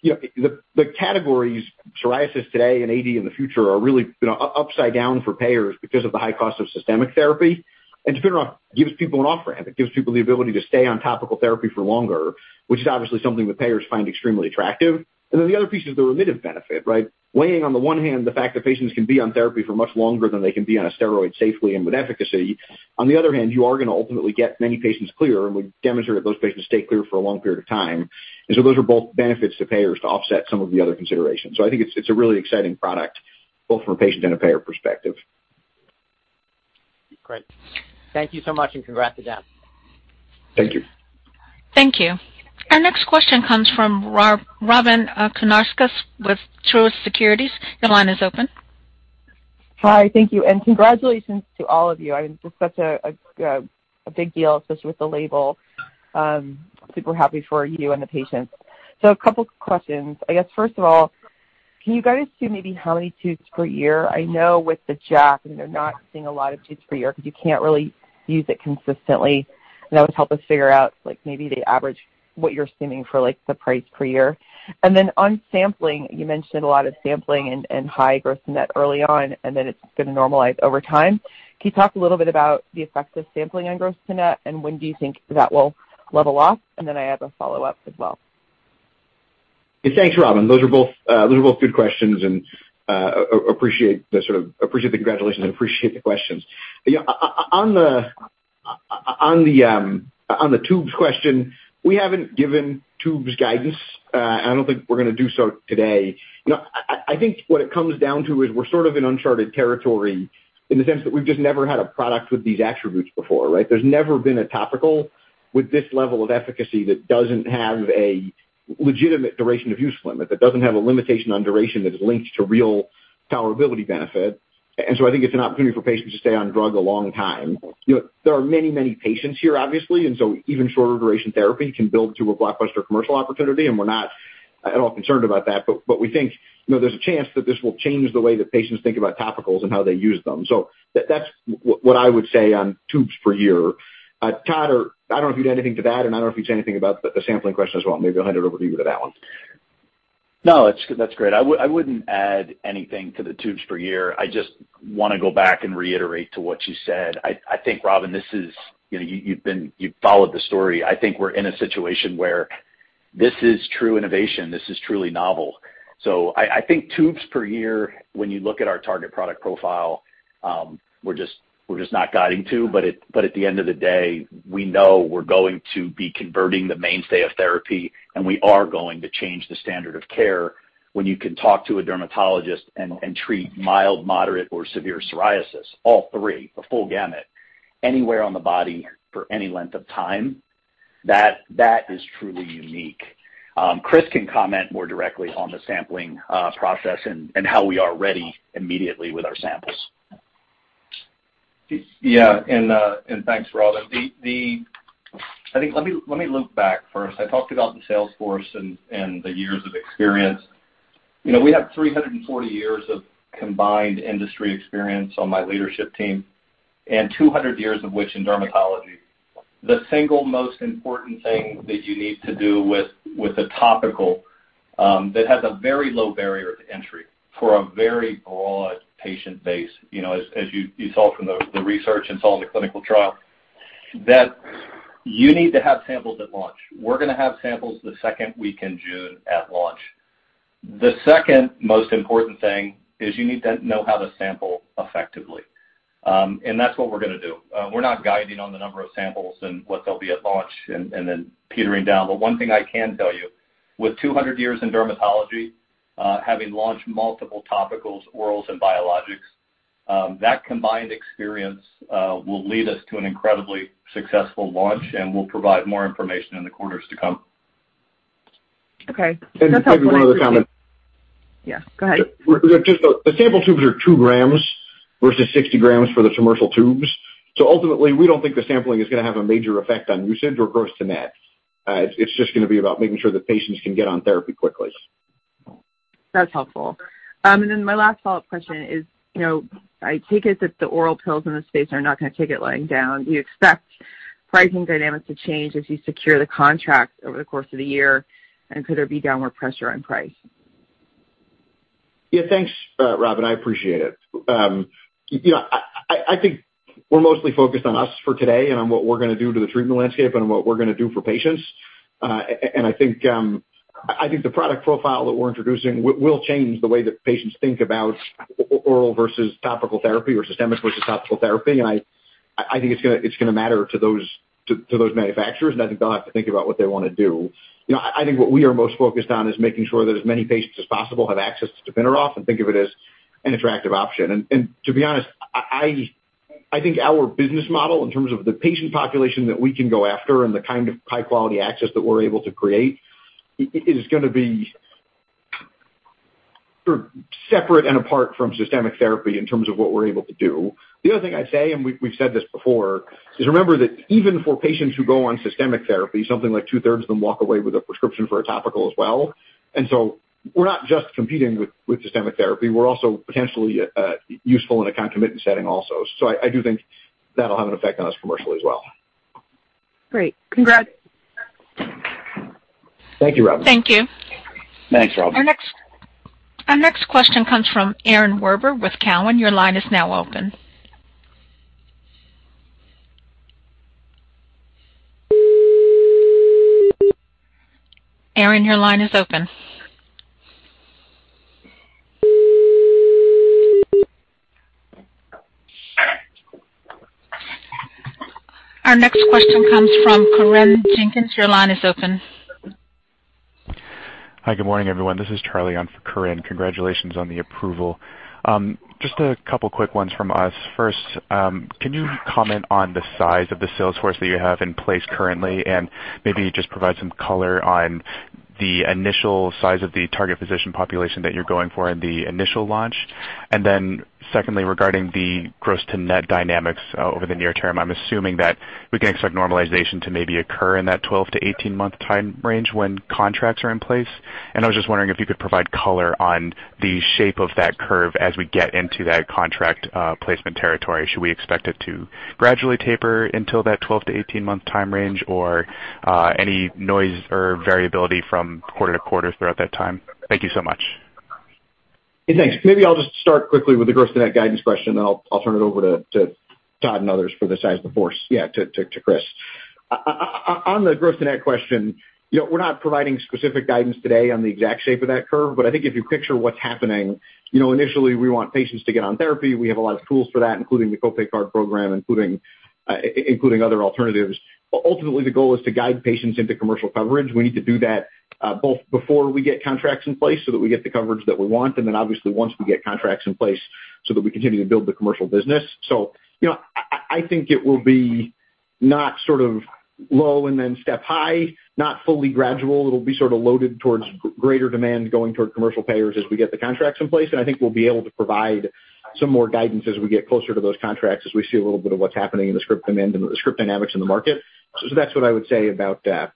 you know, the categories psoriasis today and AD in the future are really, you know, upside down for payers because of the high cost of systemic therapy. Dupixent gives people an off-ramp. It gives people the ability to stay on topical therapy for longer, which is obviously something that payers find extremely attractive. Then the other piece is the remittive benefit, right? Weighing on the one hand, the fact that patients can be on therapy for much longer than they can be on a steroid safely and with efficacy. On the other hand, you are gonna ultimately get many patients clear and we demonstrate those patients stay clear for a long period of time. Those are both benefits to payers to offset some of the other considerations. I think it's a really exciting product, both from a patient and a payer perspective. Great. Thank you so much, and congrats again. Thank you. Thank you. Our next question comes from Robyn Karnauskas with Truist Securities. Your line is open. Hi. Thank you, and congratulations to all of you. I mean, this is such a big deal, especially with the label. Super happy for you and the patients. A couple questions. I guess, first of all, can you guys see maybe how many tubes per year? I know with the JAK, you know, not seeing a lot of tubes per year because you can't really use it consistently. That would help us figure out, like, maybe the average, what you're assuming for, like, the price per year. On sampling, you mentioned a lot of sampling and high gross-to-net early on, and then it's gonna normalize over time. Can you talk a little bit about the effects of sampling on gross-to-net, and when do you think that will level off? I have a follow-up as well. Thanks, Robyn. Those are both good questions and appreciate the congratulations and appreciate the questions. You know, on the tubes question, we haven't given tubes guidance. I don't think we're gonna do so today. You know, I think what it comes down to is we're sort of in uncharted territory in the sense that we've just never had a product with these attributes before, right? There's never been a topical with this level of efficacy that doesn't have a legitimate duration of use limit, that doesn't have a limitation on duration that is linked to real tolerability benefit. I think it's an opportunity for patients to stay on drug a long time. You know, there are many, many patients here, obviously, and so even shorter duration therapy can build to a blockbuster commercial opportunity. We're not at all concerned about that. We think, you know, there's a chance that this will change the way that patients think about topicals and how they use them. That's what I would say on tubes per year. Todd, I don't know if you had anything to add, and I don't know if you had anything about the sampling question as well. Maybe I'll hand it over to you for that one. No, that's great. I wouldn't add anything to the tubes per year. I just wanna go back and reiterate to what you said. I think, Robyn, this is. You know, you've followed the story. I think we're in a situation where this is true innovation, this is truly novel. I think tubes per year, when you look at our target product profile, we're just not guiding to, but at the end of the day, we know we're going to be converting the mainstay of therapy, and we are going to change the standard of care when you can talk to a dermatologist and treat mild, moderate, or severe psoriasis, all three, the full gamut, anywhere on the body for any length of time. That is truly unique. Chris can comment more directly on the sampling process and how we are ready immediately with our samples. Yeah, thanks, Robyn. I think let me loop back first. I talked about the sales force and the years of experience. You know, we have 340 years of combined industry experience on my leadership team and 200 years of which in dermatology. The single most important thing that you need to do with a topical that has a very low barrier to entry for a very broad patient base, you know, as you saw from the research and saw in the clinical trial, that you need to have samples at launch. We're gonna have samples the second week in June at launch. The second most important thing is you need to know how to sample effectively. That's what we're gonna do. We're not guiding on the number of samples and what they'll be at launch and then petering down. One thing I can tell you, with 200 years in dermatology, having launched multiple topicals, orals and biologics, that combined experience will lead us to an incredibly successful launch, and we'll provide more information in the quarters to come. Okay. That's helpful. Maybe one other comment. Yeah, go ahead. Just the sample tubes are 2 grams versus 60 grams for the commercial tubes. Ultimately, we don't think the sampling is gonna have a major effect on usage or gross to net. It's just gonna be about making sure that patients can get on therapy quickly. That's helpful. Then my last follow-up question is, you know, I take it that the oral pills in this space are not gonna take it lying down. Do you expect pricing dynamics to change as you secure the contracts over the course of the year, and could there be downward pressure on price? Yeah, thanks, Robyn. I appreciate it. You know, I think we're mostly focused on us for today and on what we're gonna do to the treatment landscape and what we're gonna do for patients. I think the product profile that we're introducing will change the way that patients think about oral versus topical therapy or systemic versus topical therapy. I think it's gonna matter to those manufacturers, and I think they'll have to think about what they wanna do. You know, I think what we are most focused on is making sure that as many patients as possible have access to Dupixent and think of it as an attractive option. To be honest, I think our business model in terms of the patient population that we can go after and the kind of high-quality access that we're able to create is gonna be separate and apart from systemic therapy in terms of what we're able to do. The other thing I'd say, and we've said this before, is remember that even for patients who go on systemic therapy, something like two-thirds of them walk away with a prescription for a topical as well. We're not just competing with systemic therapy, we're also potentially useful in a concomitant setting also. I do think that'll have an effect on us commercially as well. Great. Congrats. Thank you, Robyn. Thank you. Thanks, Robyn. Our next question comes from Yaron Werber with TD Cowen. Your line is now open. Yaron, your line is open. Our next question comes from Corinne Jenkins. Your line is open. Hi, good morning, everyone. This is Charlie on for Corinne. Congratulations on the approval. Just a couple quick ones from us. First, can you comment on the size of the sales force that you have in place currently? Maybe just provide some color on the initial size of the target physician population that you're going for in the initial launch. Then secondly, regarding the gross to net dynamics over the near term, I'm assuming that we can expect normalization to maybe occur in that 12 to 18-month time range when contracts are in place. I was just wondering if you could provide color on the shape of that curve as we get into that contract placement territory. Should we expect it to gradually taper until that 12 to 18-month time range? Or any noise or variability from quarter to quarter throughout that time? Thank you so much. Yeah, thanks. Maybe I'll just start quickly with the gross to net guidance question, then I'll turn it over to Todd and others for the size of the sales force, yeah, to Chris. On the gross to net question, you know, we're not providing specific guidance today on the exact shape of that curve, but I think if you picture what's happening, you know, initially, we want patients to get on therapy. We have a lot of tools for that, including the copay card program, including other alternatives. But ultimately, the goal is to guide patients into commercial coverage. We need to do that both before we get contracts in place so that we get the coverage that we want, and then obviously once we get contracts in place so that we continue to build the commercial business. You know, I think it will be not sort of low and then step high, not fully gradual. It'll be sort of loaded towards greater demand going toward commercial payers as we get the contracts in place. I think we'll be able to provide some more guidance as we get closer to those contracts as we see a little bit of what's happening in the script demand and the script dynamics in the market. That's what I would say about that.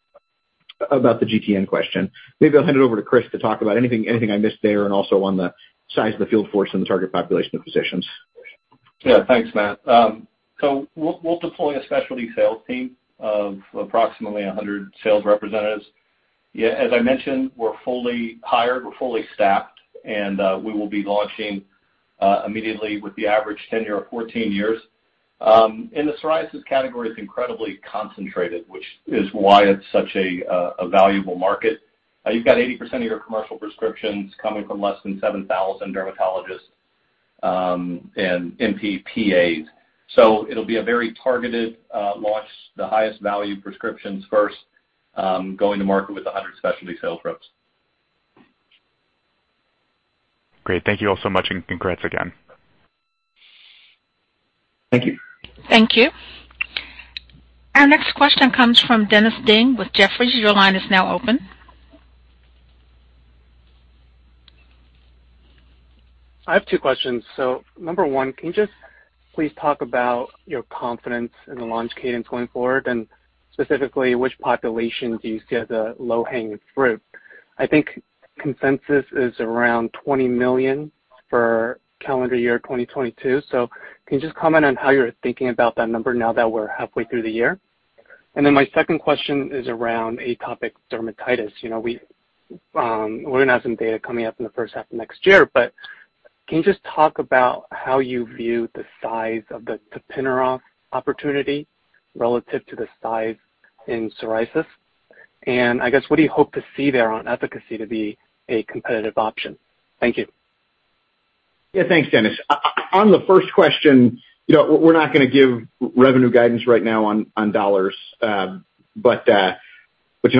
About the GTN question. Maybe I'll hand it over to Chris to talk about anything I missed there and also on the size of the field force and the target population of physicians. Yeah, thanks, Matt. We'll deploy a specialty sales team of approximately 100 sales representatives. Yeah, as I mentioned, we're fully hired, we're fully staffed, and we will be launching immediately with the average tenure of 14 years. The psoriasis category is incredibly concentrated, which is why it's such a valuable market. You've got 80% of your commercial prescriptions coming from less than 7,000 dermatologists and NPs/PAs. It'll be a very targeted launch, the highest value prescriptions first, going to market with 100 specialty sales reps. Great. Thank you all so much, and congrats again. Thank you. Thank you. Our next question comes from Dennis Ding with Jefferies. Your line is now open. I have two questions. Number one, can you just please talk about your confidence in the launch cadence going forward, and specifically, which population do you see as a low-hanging fruit? I think consensus is around $20 million for calendar year 2022. Can you just comment on how you're thinking about that number now that we're halfway through the year? My second question is around atopic dermatitis. You know, we're gonna have some data coming up in the first half of next year, but can you just talk about how you view the size of the tapinarof opportunity relative to the size in psoriasis? And I guess, what do you hope to see there on efficacy to be a competitive option? Thank you. Yeah, thanks, Dennis. On the first question, you know, we're not gonna give revenue guidance right now on dollars. But you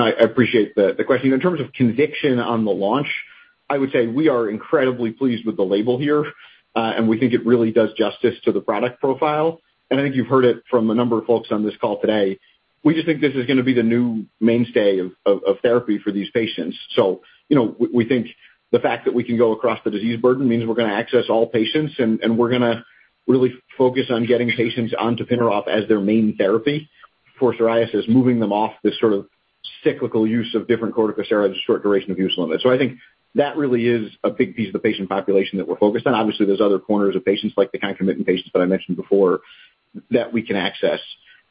know, I appreciate the question. In terms of conviction on the launch, I would say we are incredibly pleased with the label here, and we think it really does justice to the product profile. I think you've heard it from a number of folks on this call today, we just think this is gonna be the new mainstay of therapy for these patients. You know, we think the fact that we can go across the disease burden means we're gonna access all patients, and we're gonna really focus on getting patients on tapinarof as their main therapy for psoriasis, moving them off this sort of cyclical use of different corticosteroids, short duration of use limit. I think that really is a big piece of the patient population that we're focused on. Obviously, there's other corners of patients like the concomitant patients that I mentioned before, that we can access.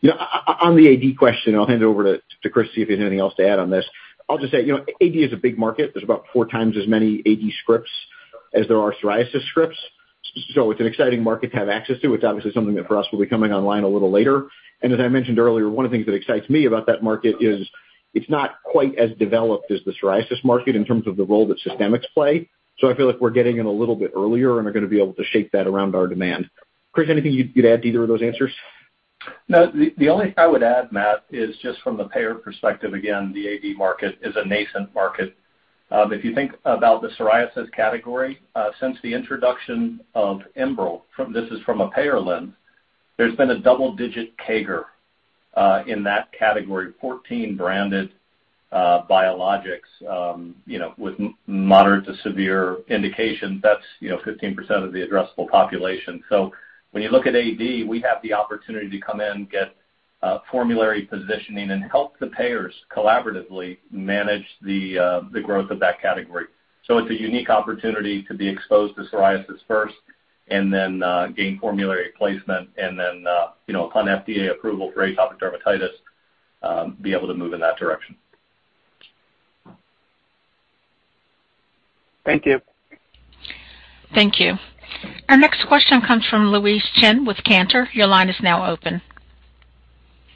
You know, on the AD question, I'll hand it over to Chris, see if he has anything else to add on this. I'll just say, you know, AD is a big market. There's about four times as many AD scripts as there are psoriasis scripts, so it's an exciting market to have access to. It's obviously something that for us will be coming online a little later. As I mentioned earlier, one of the things that excites me about that market is it's not quite as developed as the psoriasis market in terms of the role that systemics play. I feel like we're getting in a little bit earlier and are gonna be able to shape that around our demand. Chris, anything you'd add to either of those answers? No. The only I would add, Matt, is just from the payer perspective. Again, the AD market is a nascent market. If you think about the psoriasis category, since the introduction of Enbrel, this is from a payer lens, there's been a double-digit CAGR in that category, 14 branded biologics, you know, with moderate to severe indications. That's, you know, 15% of the addressable population. When you look at AD, we have the opportunity to come in, get formulary positioning, and help the payers collaboratively manage the growth of that category. It's a unique opportunity to be exposed to psoriasis first and then, gain formulary placement and then, you know, upon FDA approval for atopic dermatitis, be able to move in that direction. Thank you. Thank you. Our next question comes from Louise Chen with Cantor. Your line is now open.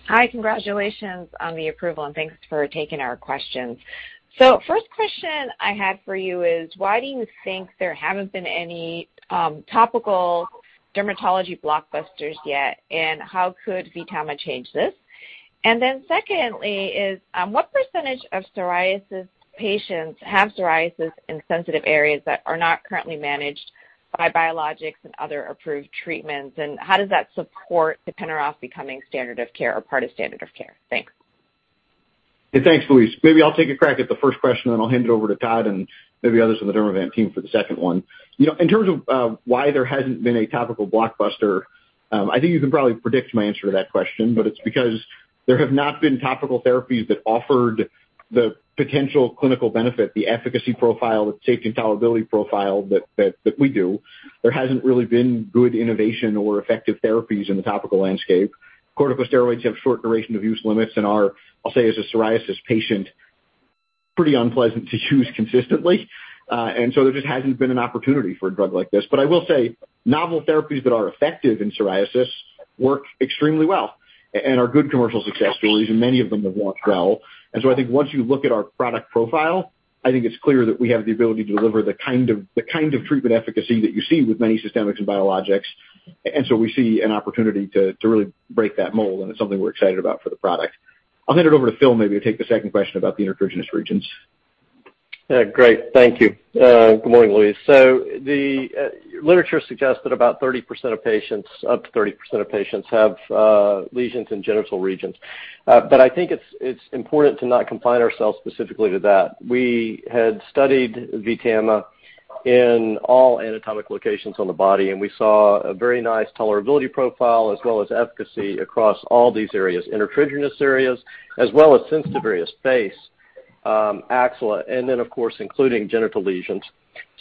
Hi. Congratulations on the approval, and thanks for taking our questions. First question I had for you is why do you think there haven't been any topical dermatology blockbusters yet, and how could VTAMA change this? Secondly is what percentage of psoriasis patients have psoriasis in sensitive areas that are not currently managed by biologics and other approved treatments, and how does that support tapinarof becoming standard of care or part of standard of care? Thanks. Yeah, thanks, Louise. Maybe I'll take a crack at the first question, then I'll hand it over to Todd and maybe others on the Dermavant team for the second one. You know, in terms of why there hasn't been a topical blockbuster, I think you can probably predict my answer to that question, but it's because there have not been topical therapies that offered the potential clinical benefit, the efficacy profile, the safety and tolerability profile that we do. There hasn't really been good innovation or effective therapies in the topical landscape. Corticosteroids have short duration of use limits and are, I'll say as a psoriasis patient, pretty unpleasant to use consistently. There just hasn't been an opportunity for a drug like this. I will say novel therapies that are effective in psoriasis work extremely well and are good commercial success stories, and many of them have launched well. I think once you look at our product profile, I think it's clear that we have the ability to deliver the kind of, the kind of treatment efficacy that you see with many systemics and biologics. We see an opportunity to really break that mold, and it's something we're excited about for the product. I'll hand it over to Phil maybe to take the second question about the intertriginous regions. Yeah, great. Thank you. Good morning, Louise. The literature suggests that about 30% of patients, up to 30% of patients have lesions in genital regions. But I think it's important to not confine ourselves specifically to that. We had studied VTAMA in all anatomic locations on the body, and we saw a very nice tolerability profile as well as efficacy across all these areas, intertriginous areas, as well as sensitive areas, face. Axilla, and then of course, including genital lesions.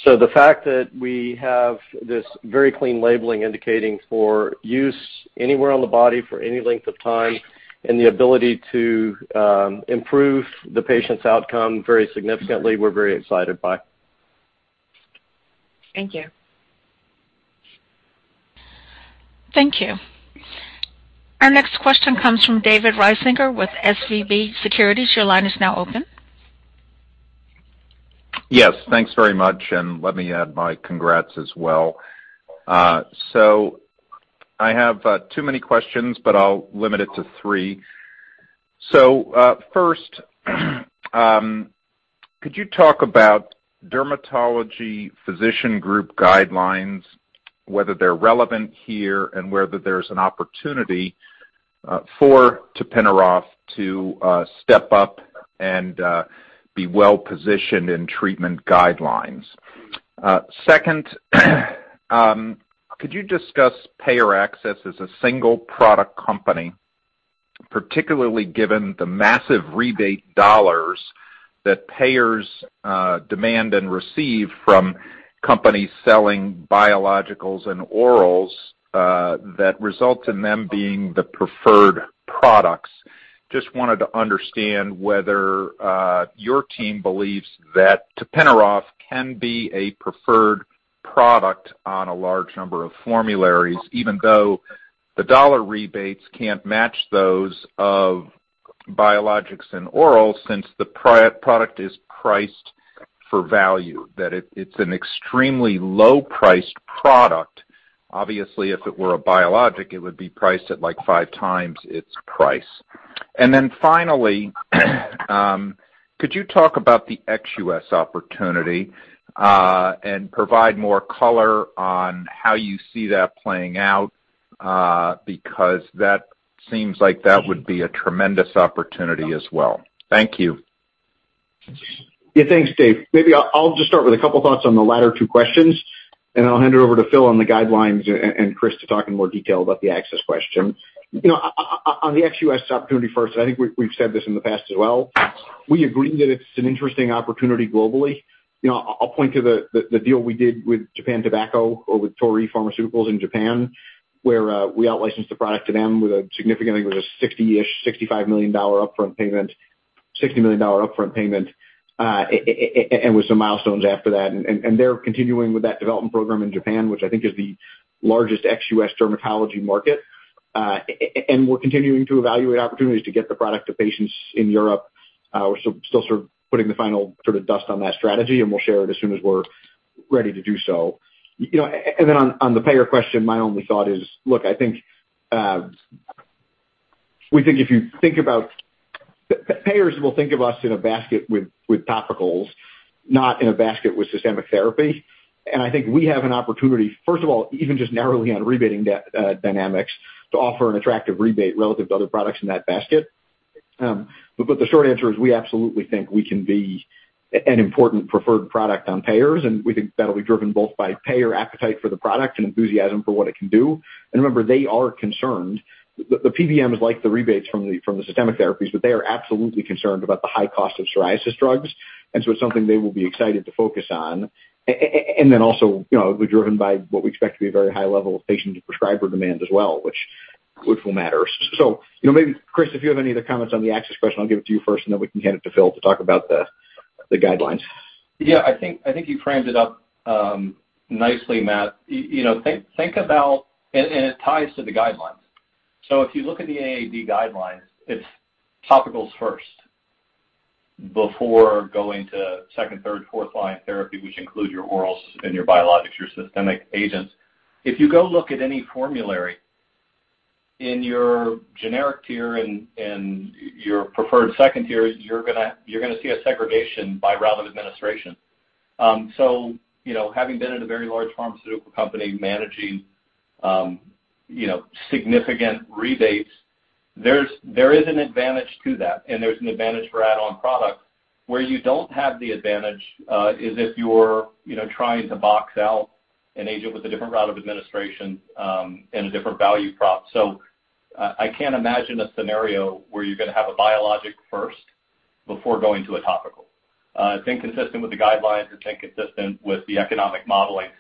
The fact that we have this very clean labeling indicating for use anywhere on the body for any length of time and the ability to improve the patient's outcome very significantly, we're very excited by. Thank you. Thank you. Our next question comes from David Risinger with SVB Securities. Your line is now open. Yes, thanks very much, and let me add my congrats as well. I have too many questions, but I'll limit it to three. First, could you talk about dermatology physician group guidelines, whether they're relevant here and whether there's an opportunity for tapinarof to step up and be well-positioned in treatment guidelines. Second, could you discuss payer access as a single product company, particularly given the massive rebate dollars that payers demand and receive from companies selling biologics and orals that result in them being the preferred products? Just wanted to understand whether your team believes that tapinarof can be a preferred product on a large number of formularies, even though the dollar rebates can't match those of biologics and orals since the product is priced for value, that it's an extremely low-priced product. Obviously, if it were a biologic, it would be priced at, like, 5 times its price. Finally, could you talk about the ex-U.S. opportunity, and provide more color on how you see that playing out, because that seems like that would be a tremendous opportunity as well. Thank you. Thanks, Dave. Maybe I'll just start with a couple thoughts on the latter two questions, and then I'll hand it over to Phil on the guidelines and Chris to talk in more detail about the access question. You know, on the ex-U.S. opportunity first, I think we've said this in the past as well, we agree that it's an interesting opportunity globally. You know, I'll point to the deal we did with Japan Tobacco or with Torii Pharmaceutical in Japan, where we outlicensed the product to them with a significant, I think it was a $60 million upfront payment, and with some milestones after that. They're continuing with that development program in Japan, which I think is the largest ex-U.S. dermatology market. We're continuing to evaluate opportunities to get the product to patients in Europe. We're still sort of putting the final touches on that strategy, and we'll share it as soon as we're ready to do so. You know, and then on the payer question, my only thought is, look, I think we think if you think about payers will think of us in a basket with topicals, not in a basket with systemic therapy. I think we have an opportunity, first of all, even just narrowly on rebating dynamics to offer an attractive rebate relative to other products in that basket. But the short answer is we absolutely think we can be an important preferred product on payers, and we think that'll be driven both by payer appetite for the product and enthusiasm for what it can do. Remember, they are concerned. The PBMs like the rebates from the systemic therapies, but they are absolutely concerned about the high cost of psoriasis drugs, and so it's something they will be excited to focus on. Then also, you know, it'll be driven by what we expect to be a very high level of patient and prescriber demand as well, which will matter. You know, maybe Chris, if you have any other comments on the access question, I'll give it to you first, and then we can hand it to Phil to talk about the guidelines. Yeah. I think you framed it up nicely, Matt. You know, think about it. It ties to the guidelines. If you look at the AAD guidelines, it's topicals first before going to second, third, fourth line therapy, which include your orals and your biologics, your systemic agents. If you go look at any formulary in your generic tier and your preferred second tier, you're gonna see a segregation by route of administration. You know, having been at a very large pharmaceutical company managing, you know, significant rebates, there is an advantage to that, and there's an advantage for add-on products. Where you don't have the advantage is if you're, you know, trying to box out an agent with a different route of administration and a different value prop. I can't imagine a scenario where you're gonna have a biologic first before going to a topical. It's inconsistent with the guidelines. It's inconsistent with the economic modeling.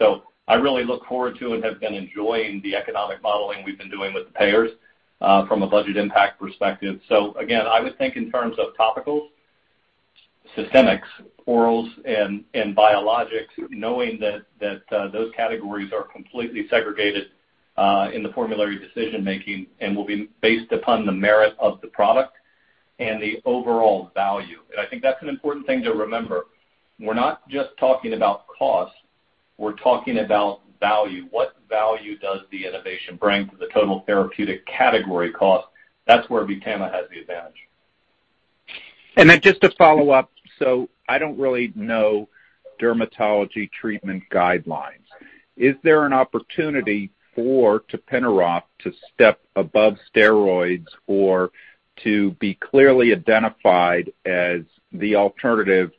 I really look forward to and have been enjoying the economic modeling we've been doing with the payers from a budget impact perspective. I would think in terms of topicals, systemics, orals and biologics, knowing that those categories are completely segregated in the formulary decision-making and will be based upon the merit of the product and the overall value. I think that's an important thing to remember. We're not just talking about cost, we're talking about value. What value does the innovation bring to the total therapeutic category cost? That's where VTAMA has the advantage. Just to follow up, so I don't really know dermatology treatment guidelines. Is there an opportunity for tapinarof to step above steroids or to be clearly identified as the alternative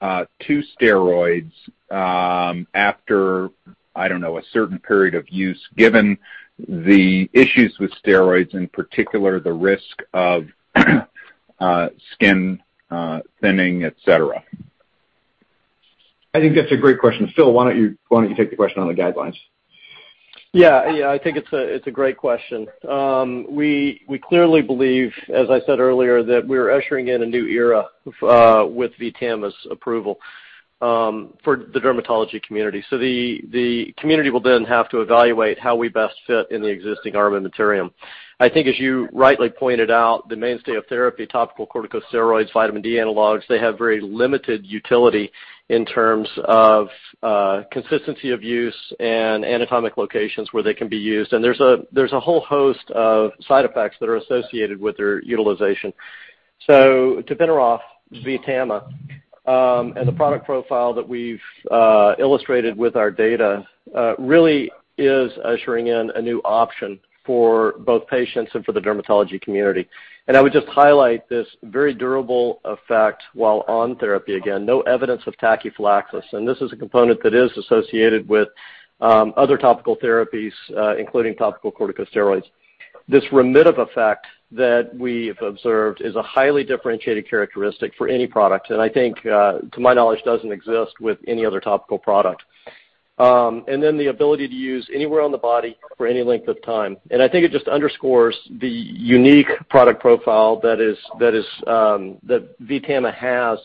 to steroids after a certain period of use, given the issues with steroids, in particular the risk of skin thinning, etc. I think that's a great question. Phil, why don't you take the question on the guidelines? Yeah. I think it's a great question. We clearly believe, as I said earlier, that we're ushering in a new era with VTAMA's approval for the dermatology community. The community will then have to evaluate how we best fit in the existing armamentarium. I think as you rightly pointed out, the mainstay of therapy, topical corticosteroids, vitamin D analogs, they have very limited utility in terms of consistency of use and anatomic locations where they can be used. There's a whole host of side effects that are associated with their utilization. Tapinarof, VTAMA, and the product profile that we've illustrated with our data really is ushering in a new option for both patients and for the dermatology community. I would just highlight this very durable effect while on therapy. Again, no evidence of tachyphylaxis. This is a component that is associated with other topical therapies, including topical corticosteroids. This remittive effect that we have observed is a highly differentiated characteristic for any product, and I think to my knowledge, doesn't exist with any other topical product. The ability to use anywhere on the body for any length of time. I think it just underscores the unique product profile that is that VTAMA has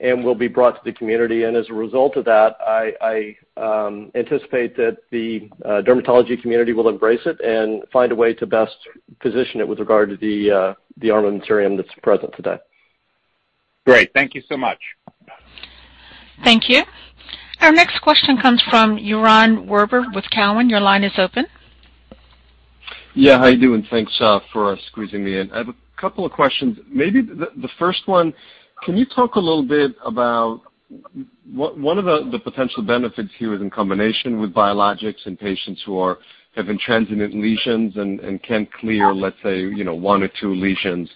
and will be brought to the community. As a result of that, I anticipate that the dermatology community will embrace it and find a way to best position it with regard to the armamentarium that's present today. Great. Thank you so much. Thank you. Our next question comes from Yaron Werber with Cowen. Your line is open. Yeah, how you doing? Thanks for squeezing me in. I have a couple of questions. Maybe the first one, can you talk a little bit about one of the potential benefits here is in combination with biologics in patients who have intransigent lesions and can clear, let's say, you know, one or two lesions.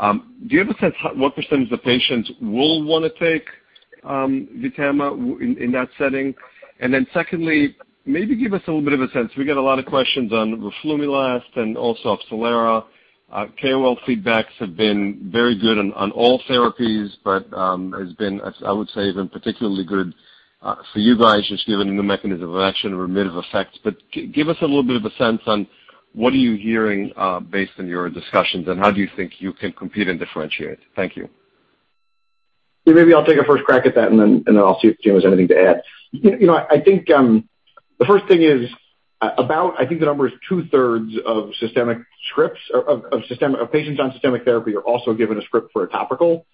Do you have a sense what percentage of patients will wanna take VTAMA in that setting? Secondly, maybe give us a little bit of a sense. We get a lot of questions on roflumilast and also Opzelura. KOL feedbacks have been very good on all therapies, but it's been, as I would say, particularly good for you guys just given the mechanism of action remittive effect. Give us a little bit of a sense on what are you hearing, based on your discussions, and how do you think you can compete and differentiate. Thank you. Yeah, maybe I'll take a first crack at that, and then I'll see if Jim has anything to add. You know, I think the first thing is about I think the number is two-thirds of patients on systemic therapy are also given a script for a topical.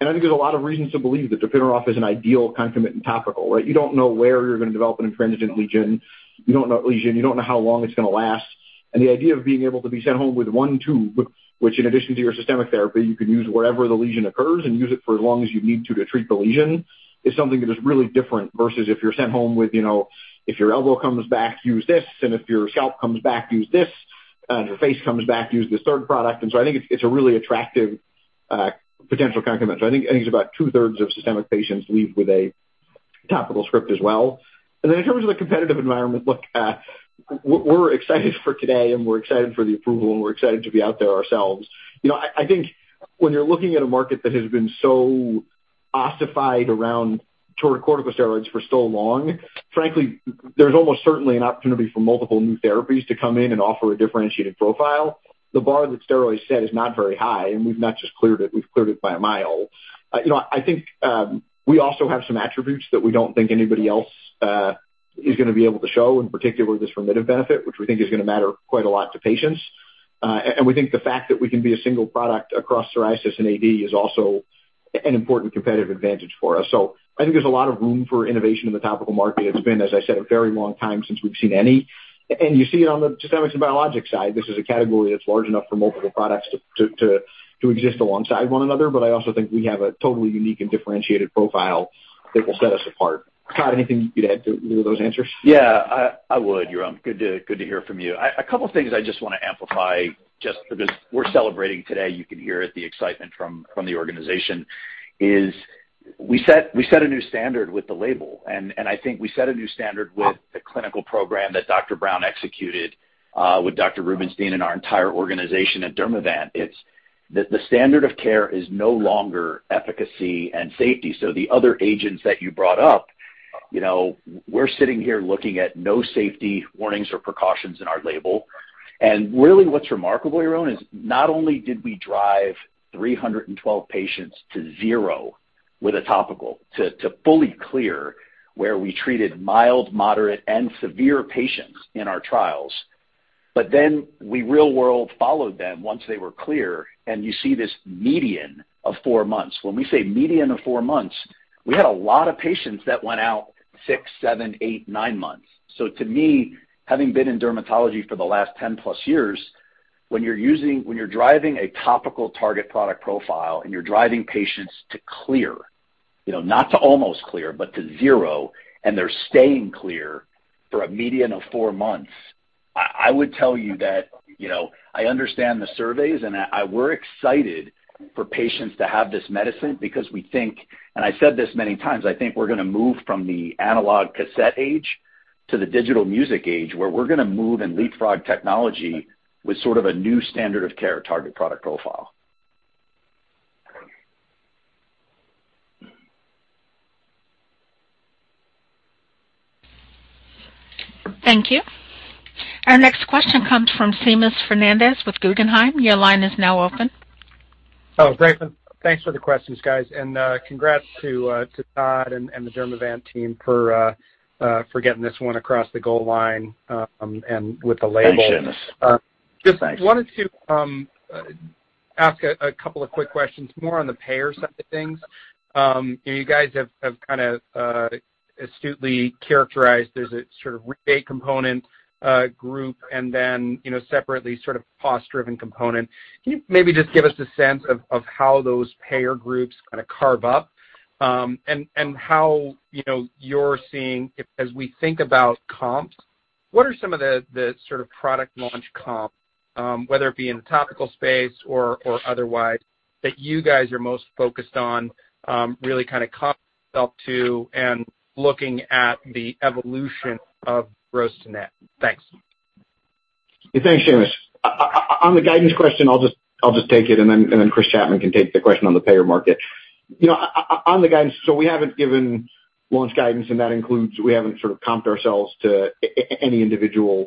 I think there's a lot of reasons to believe that tapinarof is an ideal concomitant topical, right? You don't know where you're gonna develop an intransigent lesion. You don't know how long it's gonna last. The idea of being able to be sent home with one tube, which in addition to your systemic therapy, you can use wherever the lesion occurs and use it for as long as you need to treat the lesion, is something that is really different versus if you're sent home with, you know, if your elbow comes back, use this, and if your scalp comes back, use this, and if your face comes back, use this third product. I think it's a really attractive potential complement. I think it's about two-thirds of systemic patients leave with a topical script as well. Then in terms of the competitive environment, look, we're excited for today, and we're excited for the approval, and we're excited to be out there ourselves. You know, I think when you're looking at a market that has been so ossified around topical corticosteroids for so long, frankly, there's almost certainly an opportunity for multiple new therapies to come in and offer a differentiated profile. The bar that steroids set is not very high, and we've not just cleared it, we've cleared it by a mile. You know, I think we also have some attributes that we don't think anybody else is gonna be able to show, in particular this remittive benefit, which we think is gonna matter quite a lot to patients. And we think the fact that we can be a single product across psoriasis and AD is also an important competitive advantage for us. I think there's a lot of room for innovation in the topical market. It's been, as I said, a very long time since we've seen any. You see it on the systemics and biologics side. This is a category that's large enough for multiple products to exist alongside one another, but I also think we have a totally unique and differentiated profile that will set us apart. Todd, anything you'd add to either of those answers? Yeah. I would, Yaron. Good to hear from you. A couple things I just wanna amplify just because we're celebrating today. You can hear it, the excitement from the organization, is we set a new standard with the label. I think we set a new standard with the clinical program that Dr. Brown executed with David Rubenstein and our entire organization at Dermavant. The standard of care is no longer efficacy and safety. The other agents that you brought up, you know, we're sitting here looking at no safety warnings or precautions in our label. Really what's remarkable, Yaron, is not only did we drive 312 patients to zero with a topical, too, to fully clear where we treated mild, moderate, and severe patients in our trials, but then we real world followed them once they were clear, and you see this median of four months. When we say median of four months, we had a lot of patients that went out six, seven, eight, nine months. To me, having been in dermatology for the last 10+ years, when you're driving a topical target product profile and you're driving patients to clear, you know, not to almost clear, but to zero, and they're staying clear for a median of four months. I would tell you that, you know, I understand the surveys and we're excited for patients to have this medicine because we think, and I said this many times, I think we're gonna move from the analog cassette age to the digital music age, where we're gonna move and leapfrog technology with sort of a new standard of care target product profile. Thank you. Our next question comes from Seamus Fernandez with Guggenheim. Your line is now open. Oh, great. Thanks for the questions, guys. Congrats to Todd and the Dermavant team for getting this one across the goal line, and with the label. Thanks, Seamus. Just wanted to ask a couple of quick questions more on the payer side of things. You guys have kinda astutely characterized as a sort of rebate component, group and then, you know, separately sort of cost-driven component. Can you maybe just give us a sense of how those payer groups kinda carve up, and how, you know, you're seeing as we think about comps, what are some of the sort of product launch comp, whether it be in the topical space or otherwise that you guys are most focused on, really kinda comping yourself to and looking at the evolution of gross net? Thanks. Thanks, Seamus. On the guidance question, I'll just take it and then Chris Chapman can take the question on the payer market. You know, on the guidance, we haven't given launch guidance, and that includes we haven't sort of comped ourselves to any individual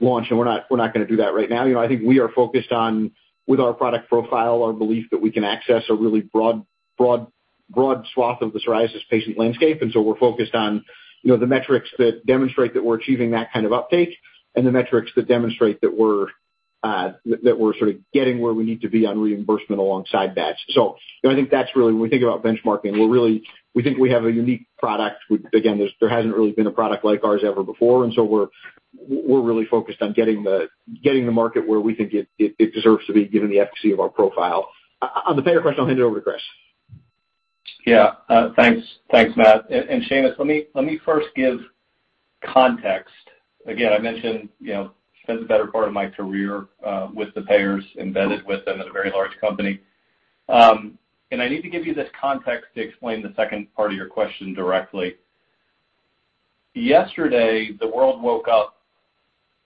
launch, and we're not gonna do that right now. You know, I think we are focused on, with our product profile, our belief that we can access a really broad swath of the psoriasis patient landscape. We're focused on, you know, the metrics that demonstrate that we're achieving that kind of uptake and the metrics that demonstrate that we're sort of getting where we need to be on reimbursement alongside that. You know, I think that's really when we think about benchmarking, we're really. We think we have a unique product. Again, there hasn't really been a product like ours ever before, and so we're really focused on getting the market where we think it deserves to be given the efficacy of our profile. On the payer question, I'll hand it over to Chris. Thanks, Matt. Seamus, let me first give context. Again, I mentioned, you know, spent the better part of my career with the payers, embedded with them at a very large company. I need to give you this context to explain the second part of your question directly. Yesterday, the world woke up,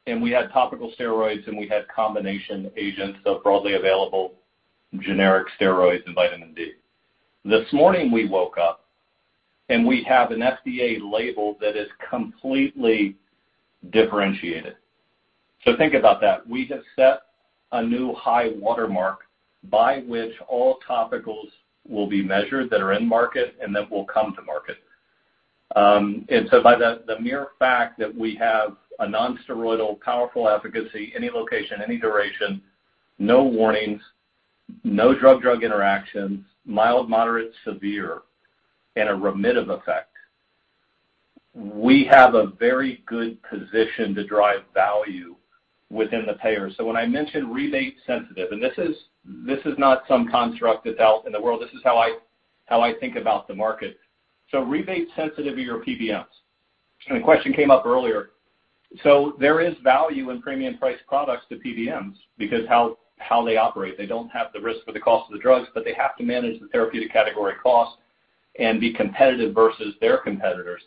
and we had topical steroids, and we had combination agents of broadly available generic steroids and vitamin D. This morning, we woke up, and we have an FDA label that is completely differentiated. Think about that. We have set a new high watermark by which all topicals will be measured that are in market and that will come to market. By the mere fact that we have a non-steroidal powerful efficacy, any location, any duration, no warnings, no drug-drug interactions, mild, moderate, severe, and a remittive effect, we have a very good position to drive value within the payer. When I mention rebate sensitive, and this is not some construct that's out in the world, this is how I think about the market. Rebate sensitive are your PBMs. The question came up earlier. There is value in premium priced products to PBMs because how they operate. They don't have the risk or the cost of the drugs, but they have to manage the therapeutic category cost and be competitive versus their competitors.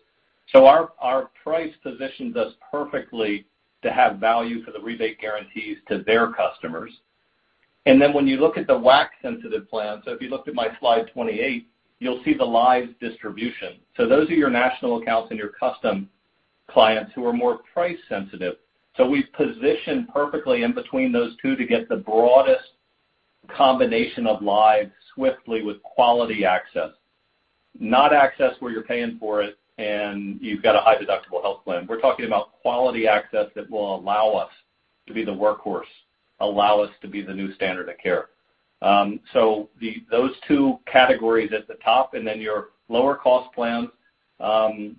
Our price positions us perfectly to have value for the rebate guarantees to their customers. When you look at the WAC sensitive plan, if you looked at my slide 28, you'll see the lives distribution. Those are your national accounts and your custom clients who are more price sensitive. We've positioned perfectly in between those two to get the broadest combination of lives swiftly with quality access. Not access where you're paying for it and you've got a high deductible health plan. We're talking about quality access that will allow us to be the workhorse, allow us to be the new standard of care. Those two categories at the top and then your lower cost plans,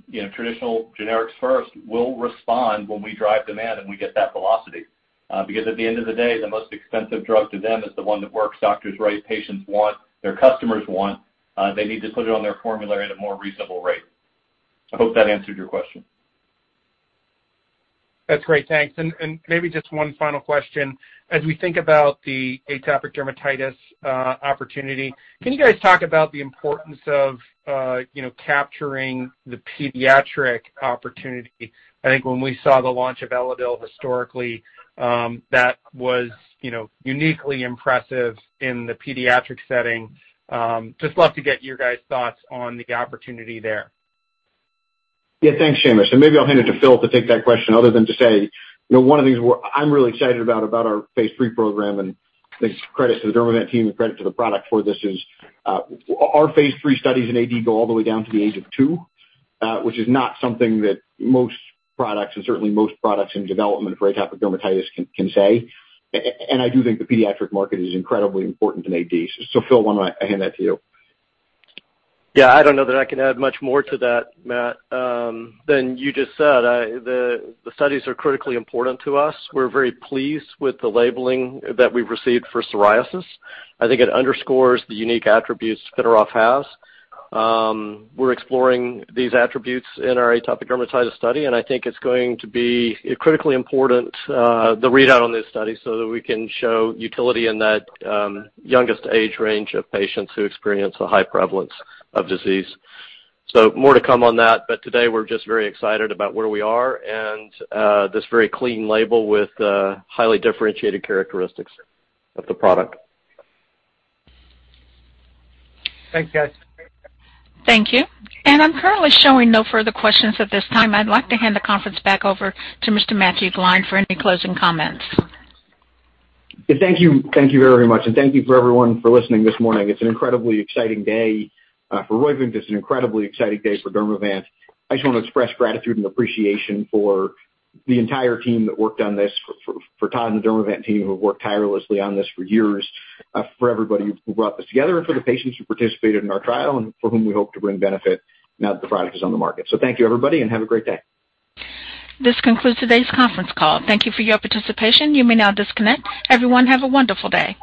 you know, traditional generics first will respond when we drive demand and we get that velocity. Because at the end of the day, the most expensive drug to them is the one that works, doctors write, patients want, their customers want, they need to put it on their formulary at a more reasonable rate. I hope that answered your question. That's great. Thanks. Maybe just one final question. As we think about the atopic dermatitis opportunity, can you guys talk about the importance of, you know, capturing the pediatric opportunity? I think when we saw the launch of Elidel historically, that was, you know, uniquely impressive in the pediatric setting. Just love to get your guys' thoughts on the opportunity there. Yeah. Thanks, Seamus. Maybe I'll hand it to Phil to take that question other than to say, you know, one of the things I'm really excited about our phase III program and credit to the Dermavant team and credit to the product for this is, our phase III studies in AD go all the way down to the age of two, which is not something that most products and certainly most products in development for atopic dermatitis can say. I do think the pediatric market is incredibly important in AD. Phil, why don't I hand that to you? Yeah, I don't know that I can add much more to that, Matt, than you just said. The studies are critically important to us. We're very pleased with the labeling that we've received for psoriasis. I think it underscores the unique attributes tapinarof has. We're exploring these attributes in our atopic dermatitis study, and I think it's going to be critically important, the readout on this study so that we can show utility in that youngest age range of patients who experience a high prevalence of disease. More to come on that. Today, we're just very excited about where we are and this very clean label with highly differentiated characteristics of the product. Thanks, guys. Thank you. I'm currently showing no further questions at this time. I'd like to hand the conference back over to Mr. Matthew Gline for any closing comments. Thank you. Thank you very much, and thank you for everyone for listening this morning. It's an incredibly exciting day for Roivant. It's an incredibly exciting day for Dermavant. I just wanna express gratitude and appreciation for the entire team that worked on this, for Todd and the Dermavant team who have worked tirelessly on this for years, for everybody who brought this together and for the patients who participated in our trial and for whom we hope to bring benefit now that the product is on the market. Thank you, everybody, and have a great day. This concludes today's conference call. Thank you for your participation. You may now disconnect. Everyone, have a wonderful day.